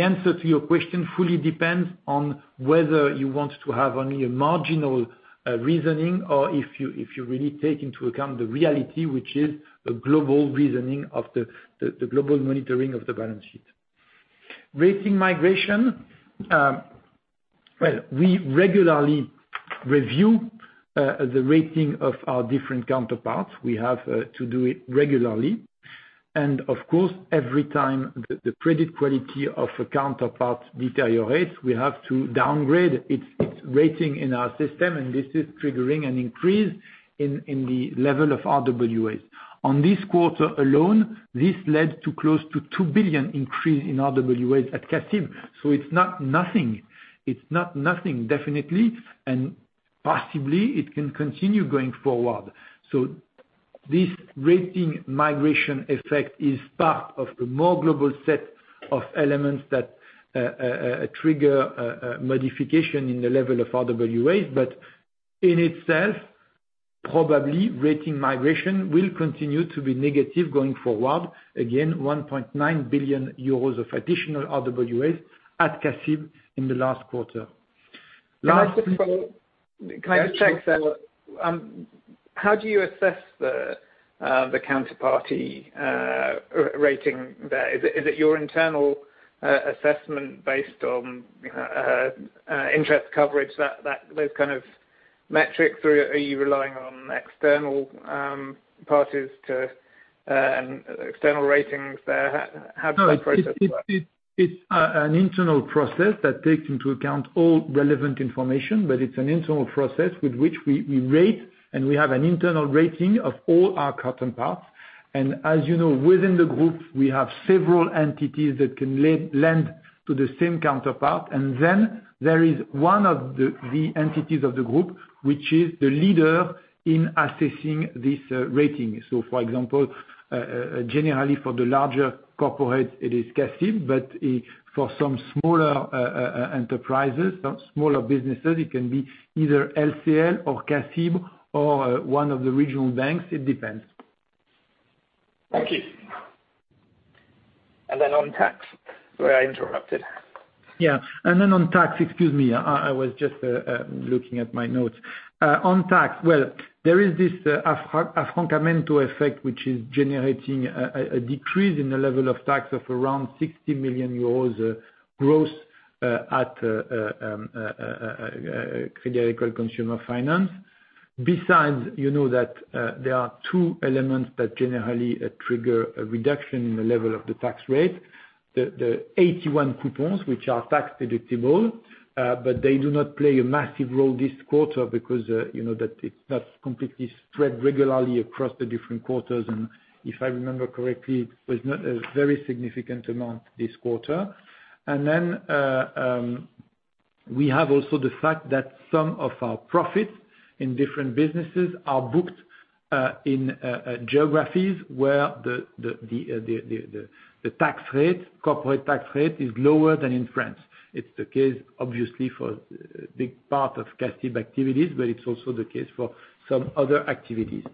answer to your question fully depends on whether you want to have only a marginal reasoning or if you really take into account the reality, which is the global monitoring of the balance sheet. Rating migration. Well, we regularly review the rating of our different counterparts. We have to do it regularly. Of course, every time the credit quality of a counterpart deteriorates, we have to downgrade its rating in our system, and this is triggering an increase in the level of RWA. On this quarter alone, this led to close to 2 billion increase in RWAs at CACIB. It's not nothing. It's not nothing, definitely, and possibly it can continue going forward. This rating migration effect is part of the more global set of elements that trigger a modification in the level of RWAs, but in itself, probably rating migration will continue to be negative going forward. Again, 1.9 billion euros of additional RWAs at CACIB in the last quarter. Can I just check. Yeah, sure. How do you assess the counterparty rating there? Is it your internal assessment based on interest coverage, those kind of metrics, or are you relying on external parties to external ratings there? How does that process work? It's an internal process that takes into account all relevant information, but it's an internal process with which we rate, and we have an internal rating of all our counterparts. As you know, within the group, we have several entities that can lend to the same counterpart. There is one of the entities of the group, which is the leader in assessing this rating. For example, generally for the larger corporates, it is CACIB, but for some smaller enterprises, some smaller businesses, it can be either LCL or CACIB or one of the regional banks. It depends. Thank you. On tax, where I interrupted. Yeah. On tax, excuse me, I was just looking at my notes. On tax, well, there is this affrancamento effect, which is generating a decrease in the level of tax of around 60 million euros gross at Crédit Agricole Consumer Finance. Besides, you know that there are two elements that generally trigger a reduction in the level of the tax rate. The AT1 coupons, which are tax deductible, but they do not play a massive role this quarter because that's completely spread regularly across the different quarters. If I remember correctly, it was not a very significant amount this quarter. We have also the fact that some of our profits in different businesses are booked, in geographies where the tax rate, corporate tax rate is lower than in France. It's the case, obviously, for a big part of CACEIS activities, but it's also the case for some other activities.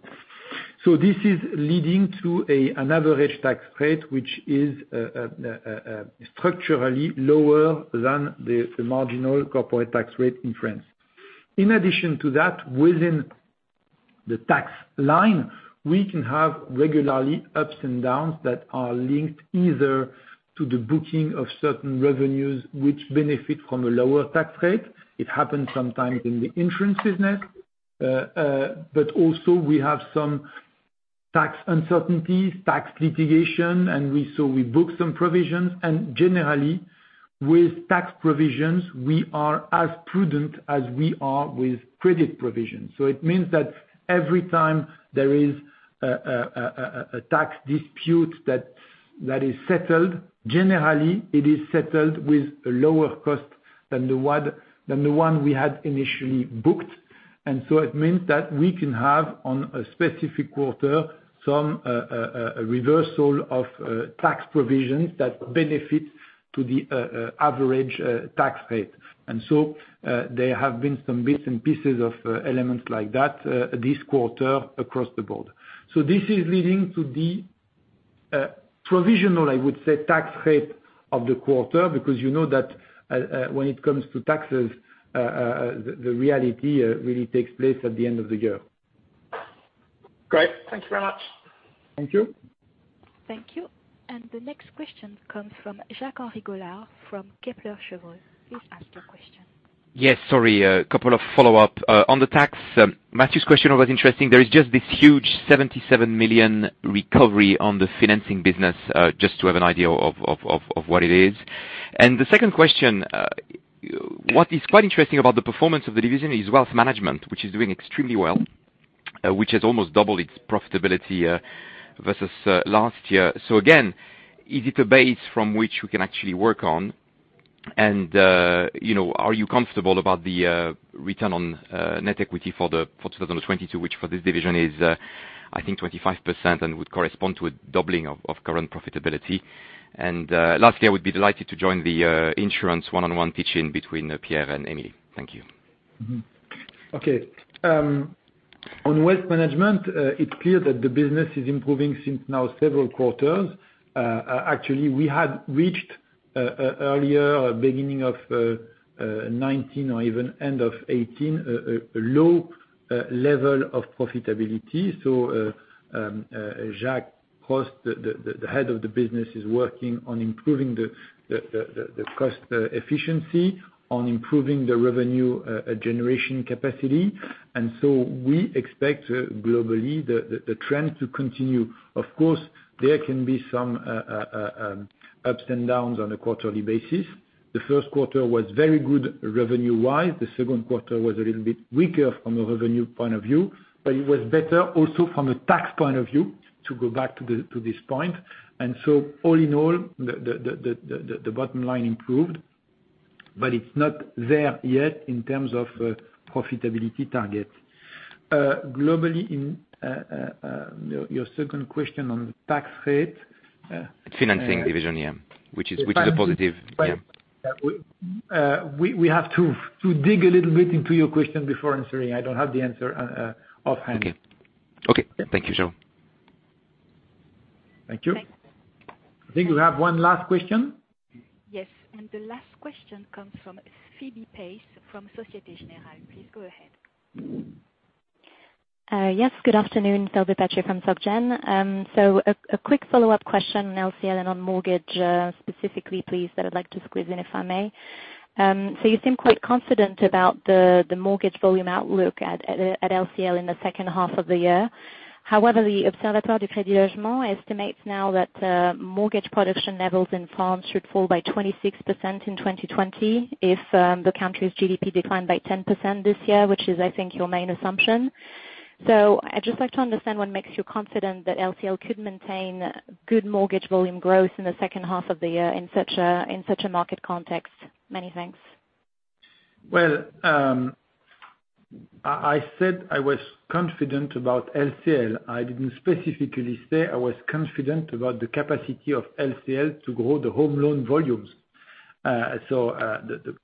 This is leading to an average tax rate, which is structurally lower than the marginal corporate tax rate in France. In addition to that, within the tax line, we can have regularly ups and downs that are linked either to the booking of certain revenues, which benefit from a lower tax rate. It happens sometimes in the insurance business. Also, we have some tax uncertainties, tax litigation, and so we book some provisions. Generally, with tax provisions, we are as prudent as we are with credit provisions. It means that every time there is a tax dispute that is settled, generally, it is settled with a lower cost than the one we had initially booked. It means that we can have, on a specific quarter, some reversal of tax provisions that benefit to the average tax rate. There have been some bits and pieces of elements like that, this quarter across the board. This is leading to the provisional, I would say, tax rate of the quarter, because you know that when it comes to taxes, the reality really takes place at the end of the year. Great. Thank you very much. Thank you. Thank you. The next question comes from Jacques-Henri Gaulard from Kepler Cheuvreux. Please ask your question. Yes, sorry. A couple of follow-up. On the tax, Matthew's question was interesting. There is just this huge 77 million recovery on the financing business, just to have an idea of what it is. The second question, what is quite interesting about the performance of the division is wealth management, which is doing extremely well, which has almost doubled its profitability versus last year. Again, is it a base from which we can actually work on? Are you comfortable about the return on net equity for 2022, which for this division is, I think, 25% and would correspond to a doubling of current profitability? Lastly, I would be delighted to join the insurance one-on-one teach-in between Pierre and Emily. Thank you. Okay. On waste management, it's clear that the business is improving since now several quarters. Actually, we had reached earlier, beginning of 2019 or even end of 2018, a low level of profitability. Jacques Coste, the head of the business, is working on improving the cost efficiency, on improving the revenue generation capacity. We expect globally the trend to continue. Of course, there can be some ups and downs on a quarterly basis. The first quarter was very good revenue-wise. The second quarter was a little bit weaker from a revenue point of view, but it was better also from a tax point of view, to go back to this point. All in all, the bottom line improved, but it's not there yet in terms of profitability target. Globally, your second question on the tax rate- Financing division, yeah. Which is a positive. Yeah. We have to dig a little bit into your question before answering. I don't have the answer offhand. Okay. Thank you, Jérôme. Thank you. Thanks. I think we have one last question? Yes. The last question comes from [Phoebe Pace] from Société Générale. Please go ahead. Yes, good afternoon. Phoebe Pace from SocGen. A quick follow-up question on LCL and on mortgage, specifically, please, that I'd like to squeeze in, if I may. You seem quite confident about the mortgage volume outlook at LCL in the second half of the year. However, the Observatoire Crédit Logement estimates now that mortgage production levels in France should fall by 26% in 2020 if the country's GDP declined by 10% this year, which is, I think, your main assumption. I'd just like to understand what makes you confident that LCL could maintain good mortgage volume growth in the second half of the year in such a market context. Many thanks. I said I was confident about LCL. I didn't specifically say I was confident about the capacity of LCL to grow the home loan volumes.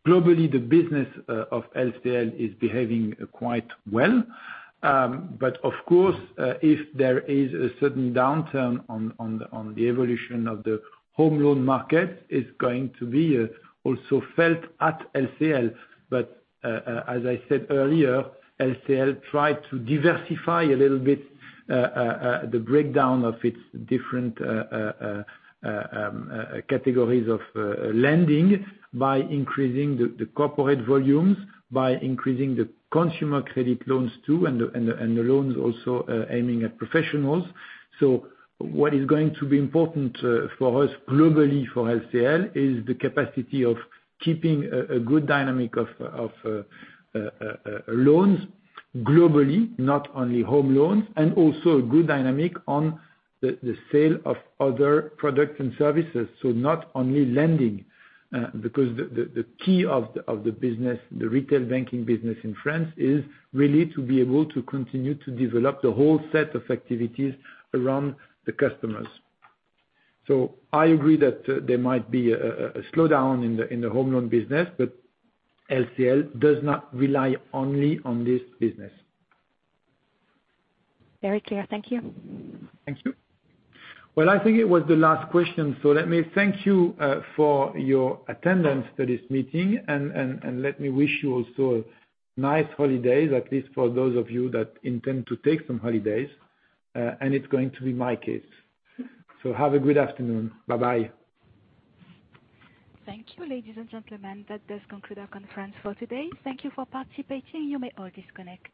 Globally, the business of LCL is behaving quite well. Of course, if there is a certain downturn on the evolution of the home loan market, it's going to be also felt at LCL. As I said earlier, LCL tried to diversify a little bit the breakdown of its different categories of lending by increasing the corporate volumes, by increasing the consumer credit loans too, and the loans also aiming at professionals. What is going to be important for us globally for LCL is the capacity of keeping a good dynamic of loans globally, not only home loans, and also a good dynamic on the sale of other products and services. Not only lending, because the key of the retail banking business in France is really to be able to continue to develop the whole set of activities around the customers. I agree that there might be a slowdown in the home loan business, but LCL does not rely only on this business. Very clear. Thank you. Thank you. I think it was the last question. Let me thank you for your attendance for this meeting, and let me wish you also a nice holiday, at least for those of you that intend to take some holidays. It's going to be my case. Have a good afternoon. Bye-bye. Thank you, ladies and gentlemen. That does conclude our conference for today. Thank you for participating. You may all disconnect.